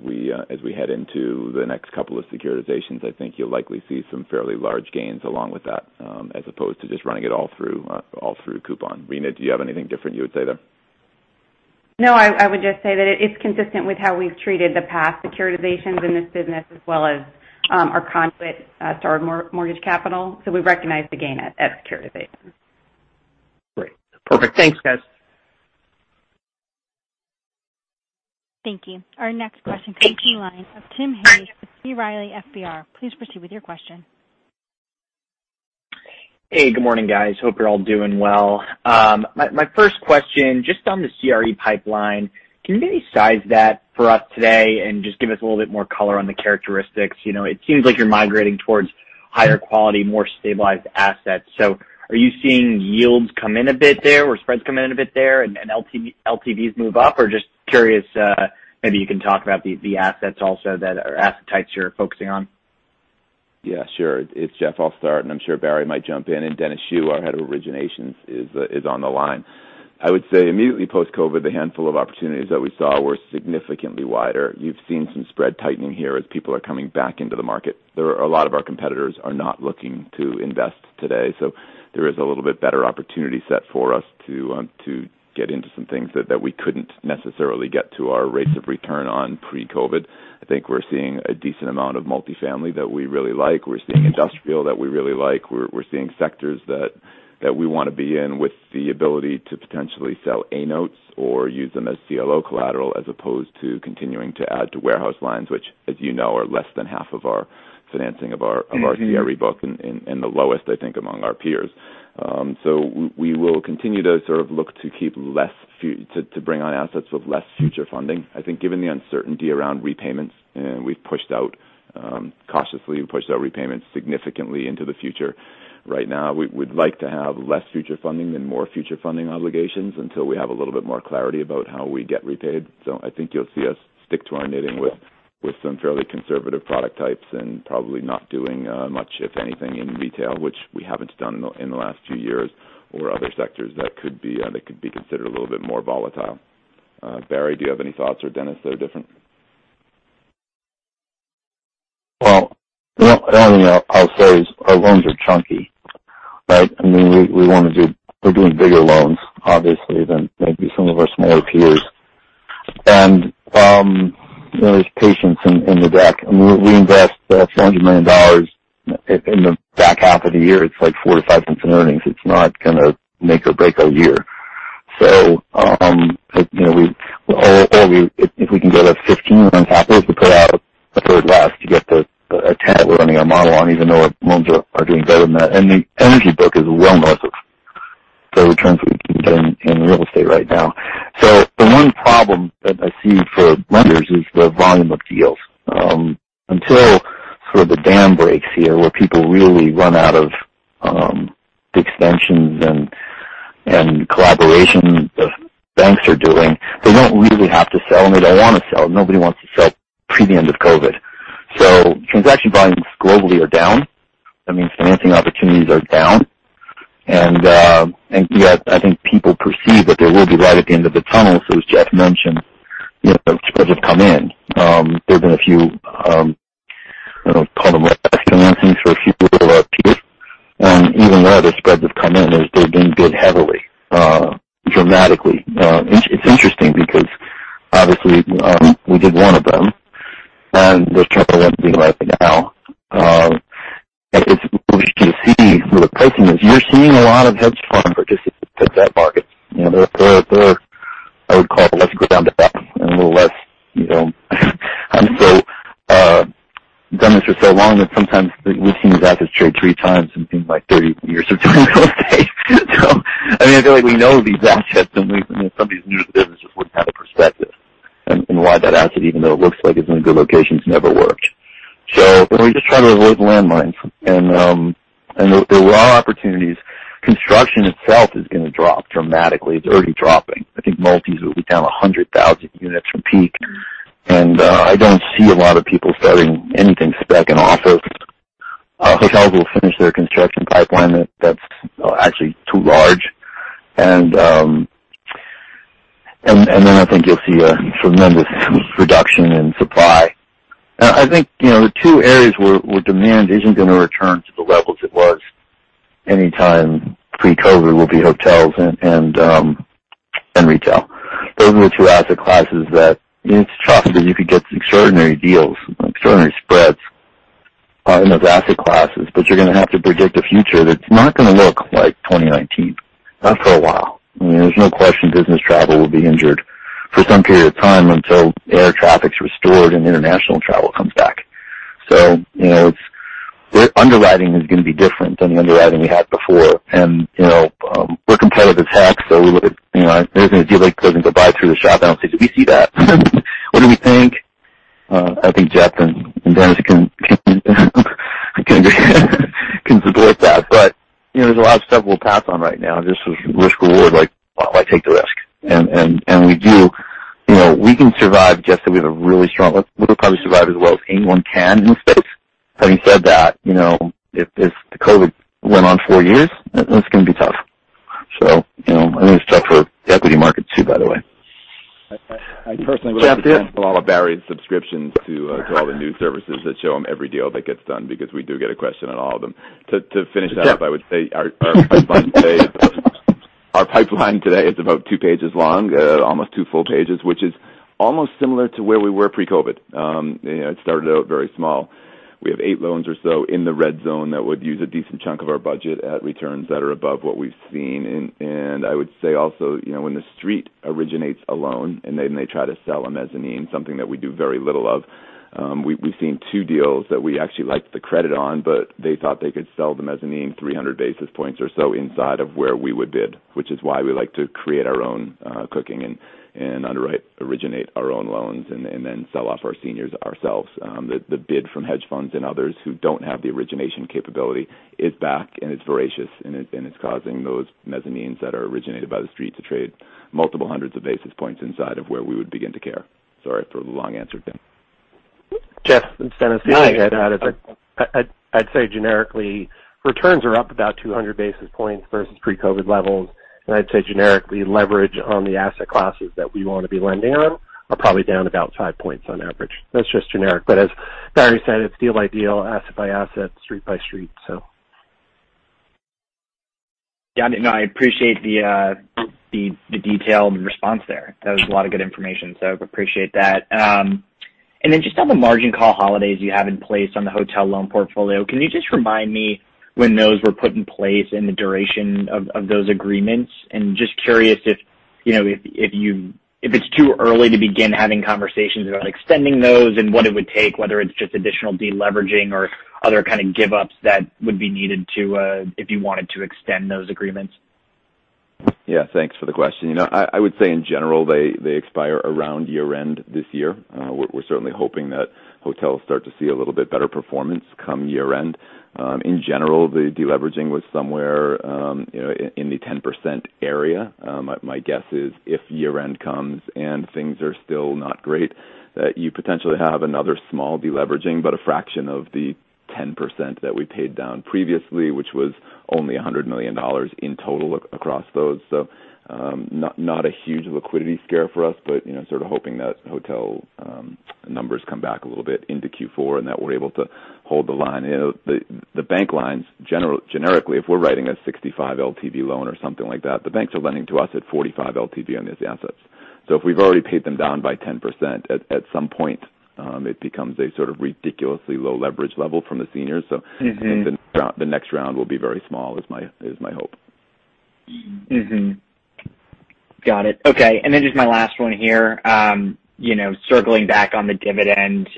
we head into the next couple of securitizations, I think you'll likely see some fairly large gains along with that as opposed to just running it all through coupon. Rina, do you have anything different you would say there? No, I would just say that it's consistent with how we've treated the past securitizations in this business as well as our conduit Starwood Mortgage Capital. So we recognize the gain at securitization. Great. Perfect. Thanks, guys. Thank you. Our next question comes from Tim Hayes with B. Riley FBR. Please proceed with your question. Hey, good morning, guys. Hope you're all doing well. My first question, just on the CRE pipeline, can you maybe size that for us today and just give us a little bit more color on the characteristics? It seems like you're migrating towards higher quality, more stabilized assets. So are you seeing yields come in a bit there or spreads come in a bit there and LTVs move up? Or just curious, maybe you can talk about the assets also that or asset types you're focusing on. Yeah, sure. It's Jeff. I'll start, and I'm sure Barry might jump in. And Dennis Hu, our head of originations, is on the line. I would say immediately post-COVID, the handful of opportunities that we saw were significantly wider. You've seen some spread tightening here as people are coming back into the market. A lot of our competitors are not looking to invest today. So there is a little bit better opportunity set for us to get into some things that we couldn't necessarily get to our rates of return on pre-COVID. I think we're seeing a decent amount of multifamily that we really like. We're seeing industrial that we really like. We're seeing sectors that we want to be in with the ability to potentially sell A-notes or use them as CLO collateral as opposed to continuing to add to warehouse lines, which, as you know, are less than half of our financing of our CRE book and the lowest, I think, among our peers. So we will continue to sort of look to keep less to bring on assets with less future funding. I think given the uncertainty around repayments, and we've pushed out cautiously, we've pushed out repayments significantly into the future. Right now, we'd like to have less future funding than more future funding obligations until we have a little bit more clarity about how we get repaid. So I think you'll see us stick to our knitting with some fairly conservative product types and probably not doing much, if anything, in retail, which we haven't done in the last few years or other sectors that could be considered a little bit more volatile. Barry, do you have any thoughts or Dennis that are different? I'll say our loans are chunky, right? I mean, we're doing bigger loans, obviously, than maybe some of our smaller peers. There's patience in the deck. I mean, we invest $400 million in the back half of the year. It's like 4% to 5% earnings. It's not going to make or break our year. If we can get a 15-month cap, we have to put out a third less to get a 10 that we're running our model on, even though our loans are doing better than that. The energy book is well north of the returns we can get in real estate right now. The one problem that I see for lenders is the volume of deals. Until sort of the dam breaks here, where people really run out of extensions and collaboration the banks are doing, they don't really have to sell, and they don't want to sell. Nobody wants to sell pre the end of COVID. So transaction volumes globally are down. That means financing opportunities are down. And yet, I think people perceive that there will be light at the end of the tunnel. So as Jeff mentioned, spreads have come in. There have been a few, I don't know if you'd call them CLO financings, for a few people who are peers. And even though the spreads have come in, they're being bid heavily, dramatically. It's interesting because, obviously, we did one of them, and there's trouble with them, they're being rerun now. It's interesting to see where the pricing is. You're seeing a lot of hedge fund participants at that market. They're, I would call it, less grounded up and a little less. I've done this for so long that sometimes we've seen these assets trade three times in, seem like, 30 years of doing real estate. So I mean, I feel like we know these assets, and somebody who's new to the business just wouldn't have a perspective in why that asset, even though it looks like it's in a good location, has never worked. So we just try to avoid the landmines. And there were opportunities. Construction itself is going to drop dramatically. It's already dropping. I think multifamily will be down 100,000 units from peak. And I don't see a lot of people starting anything spec, and office. Hotels will finish their construction pipeline that's actually too large. And then I think you'll see a tremendous reduction in supply. I think the two areas where demand isn't going to return to the levels it was any time pre-COVID will be hotels and retail. Those are the two asset classes that it's tough because you could get extraordinary deals, extraordinary spreads in those asset classes. But you're going to have to predict a future that's not going to look like 2019. Not for a while. I mean, there's no question business travel will be injured for some period of time until air traffic's restored and international travel comes back. So their underwriting is going to be different than the underwriting we had before. And we're competitive as heck, so we look at. There's a deal that doesn't go by through the shop. I don't see that. We see that. What do we think? I think Jeff and Denise can support that. But there's a lot of stuff we'll pass on right now. This was risk-reward, like, "Why do I take the risk?" And we do. We can survive just that we have a really strong, we'll probably survive as well as anyone can in this space. Having said that, if the COVID went on four years, it's going to be tough. So I think it's tough for the equity markets too, by the way. I personally would like to thank Walmart, Barry, and subscriptions to all the new services that show them every deal that gets done because we do get a question on all of them. To finish that up, I would say our pipeline today is about two pages long, almost two full pages, which is almost similar to where we were pre-COVID. It started out very small. We have eight loans or so in the red zone that would use a decent chunk of our budget at returns that are above what we've seen. I would say also when the street originates a loan and then they try to sell a mezzanine, something that we do very little of. We've seen two deals that we actually liked the credit on, but they thought they could sell the mezzanine 300 basis points or so inside of where we would bid, which is why we like to create our own cookbook and underwrite and originate our own loans and then sell off our seniors ourselves. The bid from hedge funds and others who don't have the origination capability is back, and it's voracious, and it's causing those mezzanines that are originated by the street to trade multiple hundreds of basis points inside of where we would begin to care. Sorry for the long answer, Tim. Jeff, Denise, I'd say generically returns are up about 200 basis points versus pre-COVID levels. And I'd say generically leverage on the asset classes that we want to be lending on are probably down about five points on average. That's just generic. But as Barry said, it's deal by deal, asset by asset, street by street, so. Yeah. No, I appreciate the detailed response there. That was a lot of good information, so I appreciate that. And then just on the margin call holidays you have in place on the hotel loan portfolio, can you just remind me when those were put in place and the duration of those agreements? And just curious if it's too early to begin having conversations about extending those and what it would take, whether it's just additional deleveraging or other kind of give-ups that would be needed if you wanted to extend those agreements. Yeah. Thanks for the question. I would say in general, they expire around year-end this year. We're certainly hoping that hotels start to see a little bit better performance come year-end. In general, the deleveraging was somewhere in the 10% area. My guess is if year-end comes and things are still not great, that you potentially have another small deleveraging, but a fraction of the 10% that we paid down previously, which was only $100 million in total across those. So not a huge liquidity scare for us, but sort of hoping that hotel numbers come back a little bit into Q4 and that we're able to hold the line. The bank lines, generically, if we're writing a 65 LTV loan or something like that, the banks are lending to us at 45 LTV on these assets. So if we've already paid them down by 10%, at some point, it becomes a sort of ridiculously low leverage level from the seniors. So the next round will be very small, is my hope. Got it. Okay, and then just my last one here, circling back on the dividend.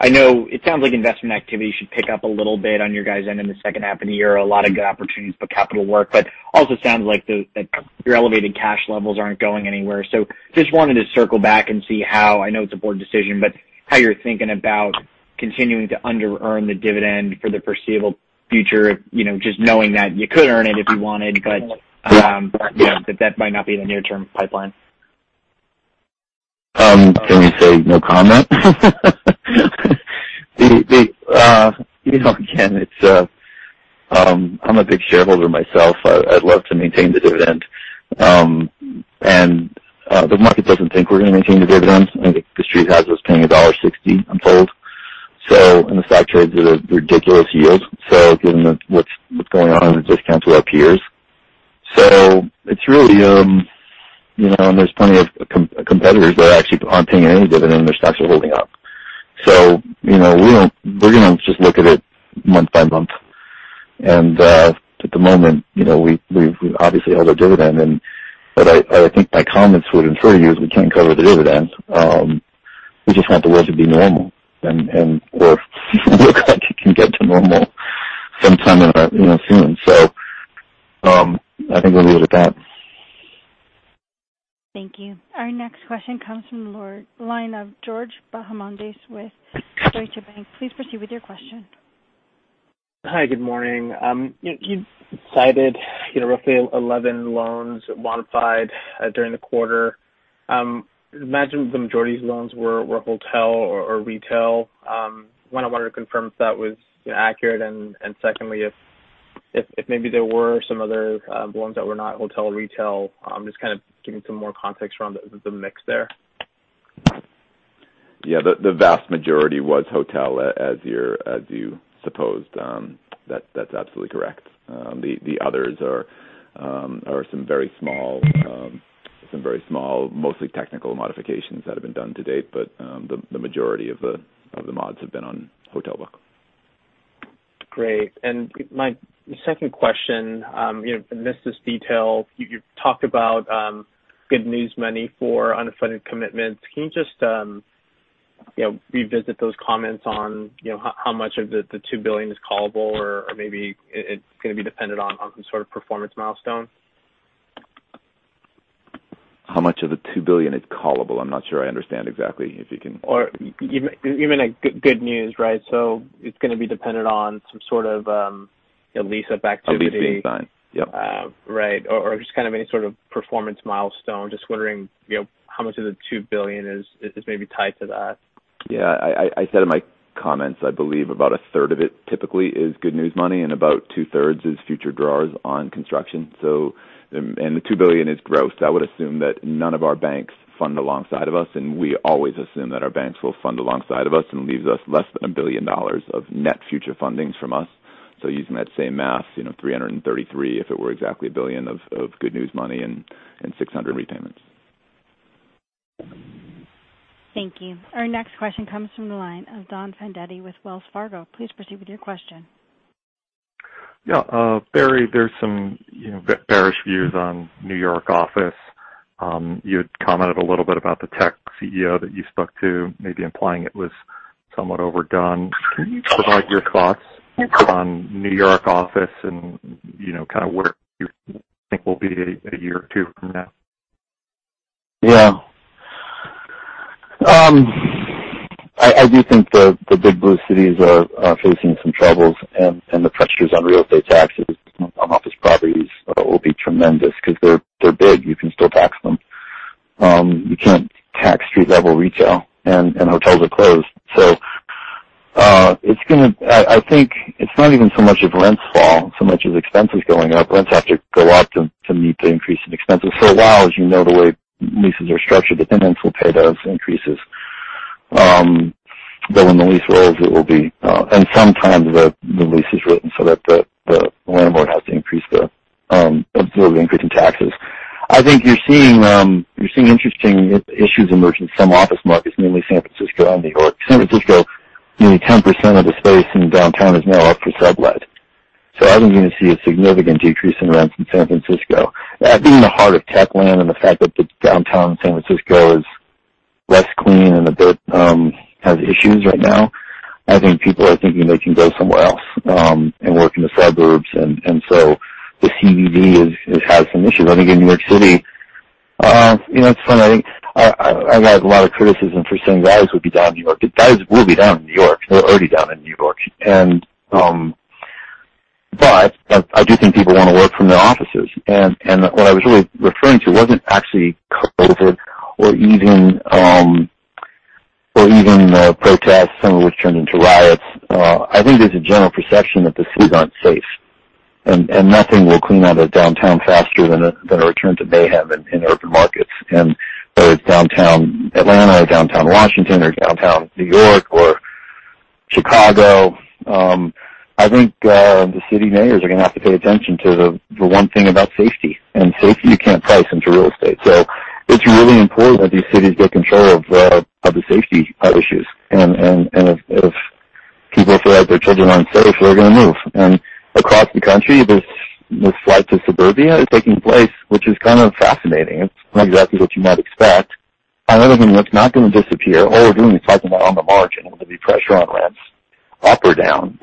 I know it sounds like investment activity should pick up a little bit on your guys' end in the second half of the year. A lot of good opportunities for capital work, but also sounds like your elevated cash levels aren't going anywhere, so just wanted to circle back and see how, I know it's a board decision, but how you're thinking about continuing to under-earn the dividend for the foreseeable future, just knowing that you could earn it if you wanted, but that might not be the near-term pipeline. Can we say no comment? Again, I'm a big shareholder myself. I'd love to maintain the dividend. And the market doesn't think we're going to maintain the dividends. I think the street has us paying $1.60, I'm told. So in the stock trades, it's a ridiculous yield, so given what's going on and the discounts of our peers. So it's really. And there's plenty of competitors that actually aren't paying any dividend. Their stocks are holding up. So we're going to just look at it month by month. And at the moment, we've obviously held our dividend. But I think my comments would infer to you is we can't cover the dividend. We just want the world to be normal or look like it can get to normal sometime soon. So I think we'll leave it at that. Thank you. Our next question comes from George Bahamondes with Deutsche Bank. Please proceed with your question. Hi. Good morning. You cited roughly 11 loans bonafide during the quarter. I imagine the majority of these loans were hotel or retail. I wanted to confirm if that was accurate, and secondly, if maybe there were some other loans that were not hotel or retail, just kind of giving some more context around the mix there. Yeah. The vast majority was hotel, as you supposed. That's absolutely correct. The others are some very small, some very small, mostly technical modifications that have been done to date. But the majority of the mods have been on hotel book. Great. And my second question, and this is detailed. You talked about good news money for unfunded commitments. Can you just revisit those comments on how much of the $2 billion is callable or maybe it's going to be dependent on some sort of performance milestone? How much of the $2 billion is callable? I'm not sure I understand exactly if you can. or even good news, right? So it's going to be dependent on some sort of leasing activity. How deep inside? Yep. Right. Or just kind of any sort of performance milestone. Just wondering how much of the $2 billion is maybe tied to that. Yeah. I said in my comments, I believe about a third of it typically is good news money, and about two-thirds is future draws on construction. And the $2 billion is gross. I would assume that none of our banks fund alongside of us, and we always assume that our banks will fund alongside of us and leave us less than $1 billion of net future fundings from us. So using that same math, $333 million if it were exactly $1 billion of good news money and $600 million repayments. Thank you. Our next question comes from the line of Donald Fandetti with Wells Fargo. Please proceed with your question. Yeah. Barry, there's some bearish views on New York office. You had commented a little bit about the tech CEO that you spoke to, maybe implying it was somewhat overdone. Can you provide your thoughts on New York office and kind of where you think will be a year or two from now? Yeah. I do think the big blue cities are facing some troubles, and the pressures on real estate taxes on office properties will be tremendous because they're big. You can still tax them. You can't tax street-level retail, and hotels are closed. So I think it's not even so much rents fall, so much as expenses going up. Rents have to go up to meet the increase in expenses. For a while, as you know, the way leases are structured, the tenants will pay those increases. But when the lease rolls, it will be, and sometimes the lease is written so that the landlord has to absorb the increase in taxes. I think you're seeing interesting issues emerging in some office markets, mainly San Francisco and New York. San Francisco, nearly 10% of the space in downtown is now up for sublet. So I think you're going to see a significant decrease in rents in San Francisco. Being the heart of techland and the fact that the downtown San Francisco is less clean and has issues right now, I think people are thinking they can go somewhere else and work in the suburbs. And so the CBD has some issues. I think in New York City, it's funny. I got a lot of criticism for saying rents would be down in New York. Rents will be down in New York. They're already down in New York. But I do think people want to work from their offices. And what I was really referring to wasn't actually COVID or even the protests, some of which turned into riots. I think there's a general perception that the city is unsafe, and nothing will clean out a downtown faster than a return to mayhem in urban markets. And whether it's downtown Atlanta or downtown Washington or downtown New York or Chicago, I think the city mayors are going to have to pay attention to the one thing about safety. And safety, you can't price into real estate. So it's really important that these cities get control of the safety issues. And if people feel like their children aren't safe, they're going to move. And across the country, this flight to suburbia is taking place, which is kind of fascinating. It's not exactly what you might expect. Another thing that's not going to disappear, all we're doing is fighting that on the margin with the pressure on rents up or down.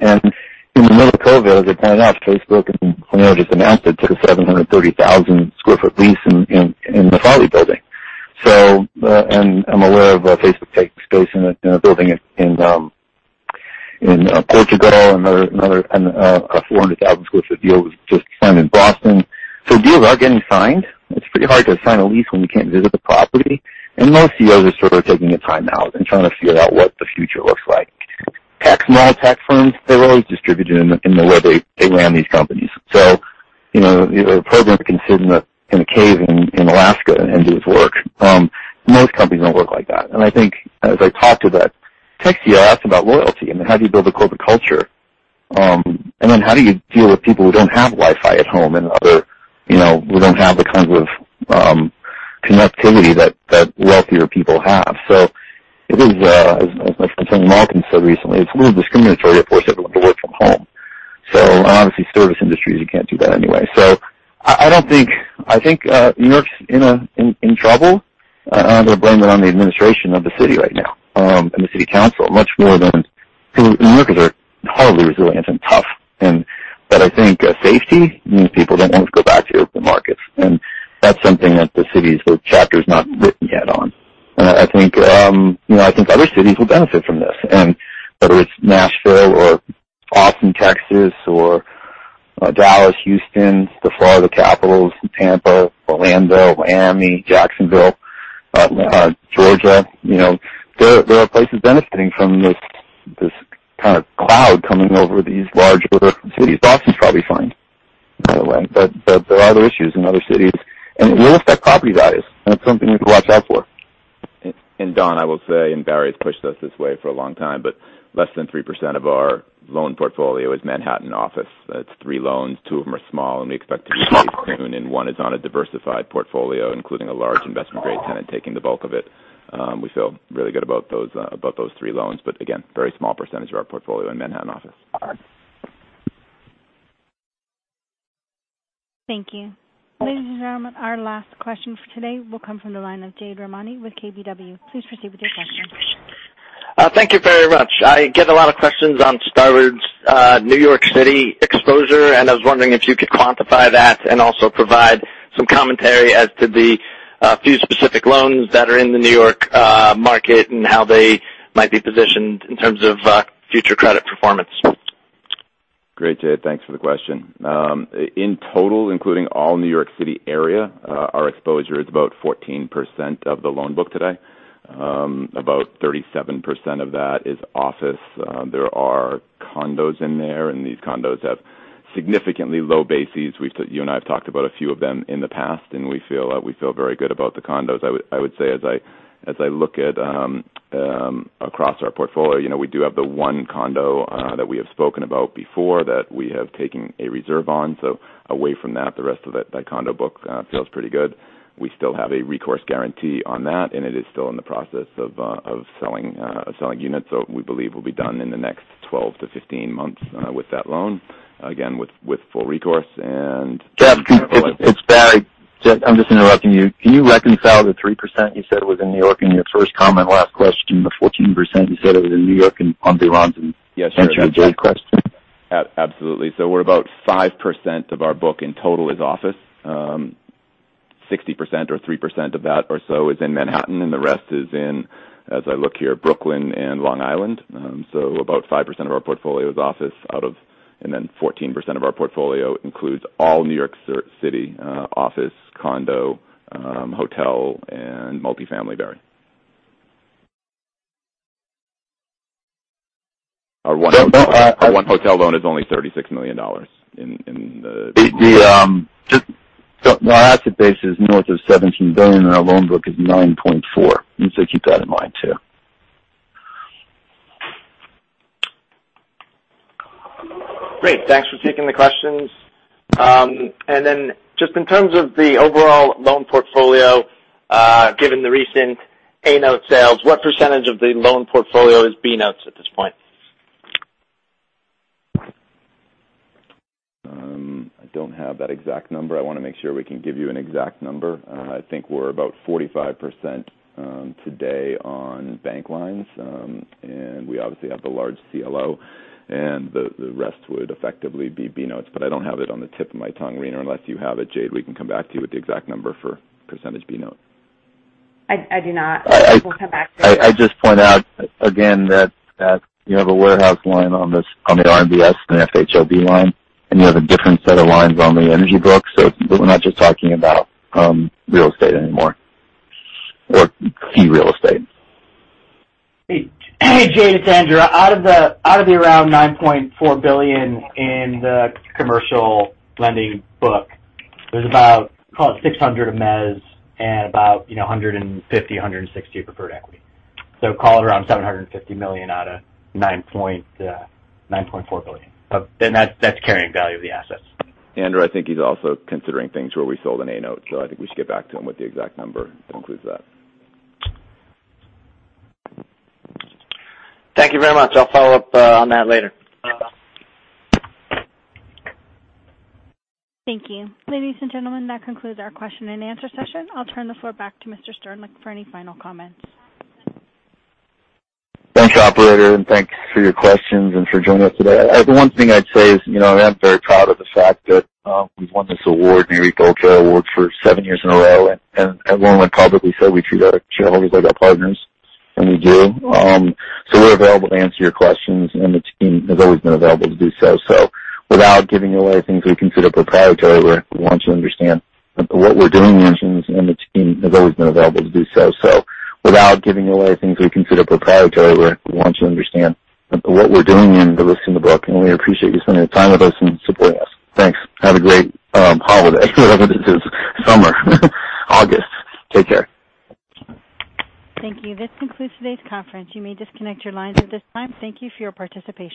In the middle of COVID, as I pointed out, Facebook and Cornell just announced it took a 730,000 sq ft lease in the Farley building, and I'm aware of Facebook taking space in a building in Portugal, and another 400,000 sq ft deal was just signed in Boston. So deals are getting signed. It's pretty hard to sign a lease when you can't visit the property, and most CEOs are sort of taking a time out and trying to figure out what the future looks like. Small tech firms, they're always distributed in the way they ran these companies. So a program can sit in a cave in Alaska and do its work. Most companies don't work like that, and I think as I talked to that tech CEO, I asked about loyalty. I mean, how do you build a corporate culture? And then how do you deal with people who don't have Wi-Fi at home and others who don't have the kinds of connectivity that wealthier people have? So as my friend Tony Malkin said recently, it's a little discriminatory to force everyone to work from home. So obviously, service industries, you can't do that anyway. So I think New York's in trouble. I'm going to blame it on the administration of the city right now and the city council much more than New Yorkers are horribly resilient and tough. But I think safety means people don't want to go back to open markets. And that's something that the city's chapter is not written yet on. And I think other cities will benefit from this. Whether it's Nashville or Austin, Texas, or Dallas, Houston, the Florida capitals, Tampa, Orlando, Miami, Jacksonville, Georgia, there are places benefiting from this kind of cloud coming over these larger cities. Boston's probably fine, by the way. But there are other issues in other cities. It will affect property values. That's something we have to watch out for. And Don, I will say, and Barry has pushed us this way for a long time, but less than 3% of our loan portfolio is Manhattan office. It's three loans. Two of them are small, and we expect to be pretty soon, and one is on a diversified portfolio, including a large investment-grade tenant taking the bulk of it. We feel really good about those three loans. But again, very small percentage of our portfolio in Manhattan office. Thank you. Ladies and gentlemen, our last question for today will come from the line of Jade Rahmani with KBW. Please proceed with your question. Thank you very much. I get a lot of questions on Starwood's New York City exposure, and I was wondering if you could quantify that and also provide some commentary as to the few specific loans that are in the New York market and how they might be positioned in terms of future credit performance? Great, Jade. Thanks for the question. In total, including all New York City area, our exposure is about 14% of the loan book today. About 37% of that is office. There are condos in there, and these condos have significantly low bases. You and I have talked about a few of them in the past, and we feel very good about the condos. I would say, as I look across our portfolio, we do have the one condo that we have spoken about before that we have taken a reserve on. So away from that, the rest of that condo book feels pretty good. We still have a recourse guarantee on that, and it is still in the process of selling units. So we believe we'll be done in the next 12-15 months with that loan, again, with full recourse. And. Jeff, it's Barry. I'm just interrupting you. Can you reconcile the 3% you said was in New York in your first comment, last question, the 14% you said it was in New York and on the runs? Yes, sir. Answer the Jade question. Absolutely. So we're about 5% of our book in total is office. 60% or 3% of that or so is in Manhattan, and the rest is in, as I look here, Brooklyn and Long Island. So about 5% of our portfolio is office out of, and then 14% of our portfolio includes all New York City office, condo, hotel, and multifamily, Barry. Our one hotel loan is only $36 million in the. The asset base is north of $17 billion, and our loan book is $9.4 billion. So keep that in mind too. Great. Thanks for taking the questions. And then just in terms of the overall loan portfolio, given the recent A-note sales, what percentage of the loan portfolio is B-note at this point? I don't have that exact number. I want to make sure we can give you an exact number. I think we're about 45% today on bank lines, and we obviously have the large CLO, and the rest would effectively be B-note. But I don't have it on the tip of my tongue, Rina, unless you have it. Jade, we can come back to you with the exact number for percentage B-note. I do not. I will come back to you. I just point out again that you have a warehouse line on the RMBS and FHLB line, and you have a different set of lines on the energy book. So we're not just talking about real estate anymore or CRE real estate. Hey, Jade, it's Andrew. Out of around $9.4 billion in the commercial lending book, there's about, call it $600 million of Mez and about $150-$160 million of preferred equity. So call it around $750 million out of $9.4 billion. And that's carrying value of the assets. Andrew, I think he's also considering things where we sold an A-note, so I think we should get back to him with the exact number that includes that. Thank you very much. I'll follow up on that later. Thank you. Ladies and gentlemen, that concludes our question and answer session. I'll turn the floor back to Mr. Sternlicht for any final comments. Thanks, operator, and thanks for your questions and for joining us today. The one thing I'd say is I am very proud of the fact that we've won this award, New York Ultra Award, for seven years in a row, and everyone publicly said we treat our shareholders like our partners, and we do. So we're available to answer your questions, and the team has always been available to do so. So without giving away things we consider proprietary, we want you to understand what we're doing and the risks in the book, and we appreciate you spending the time with us and supporting us. Thanks. Have a great holiday, whatever this is, summer, August. Take care. Thank you. This concludes today's conference. You may disconnect your lines at this time. Thank you for your participation.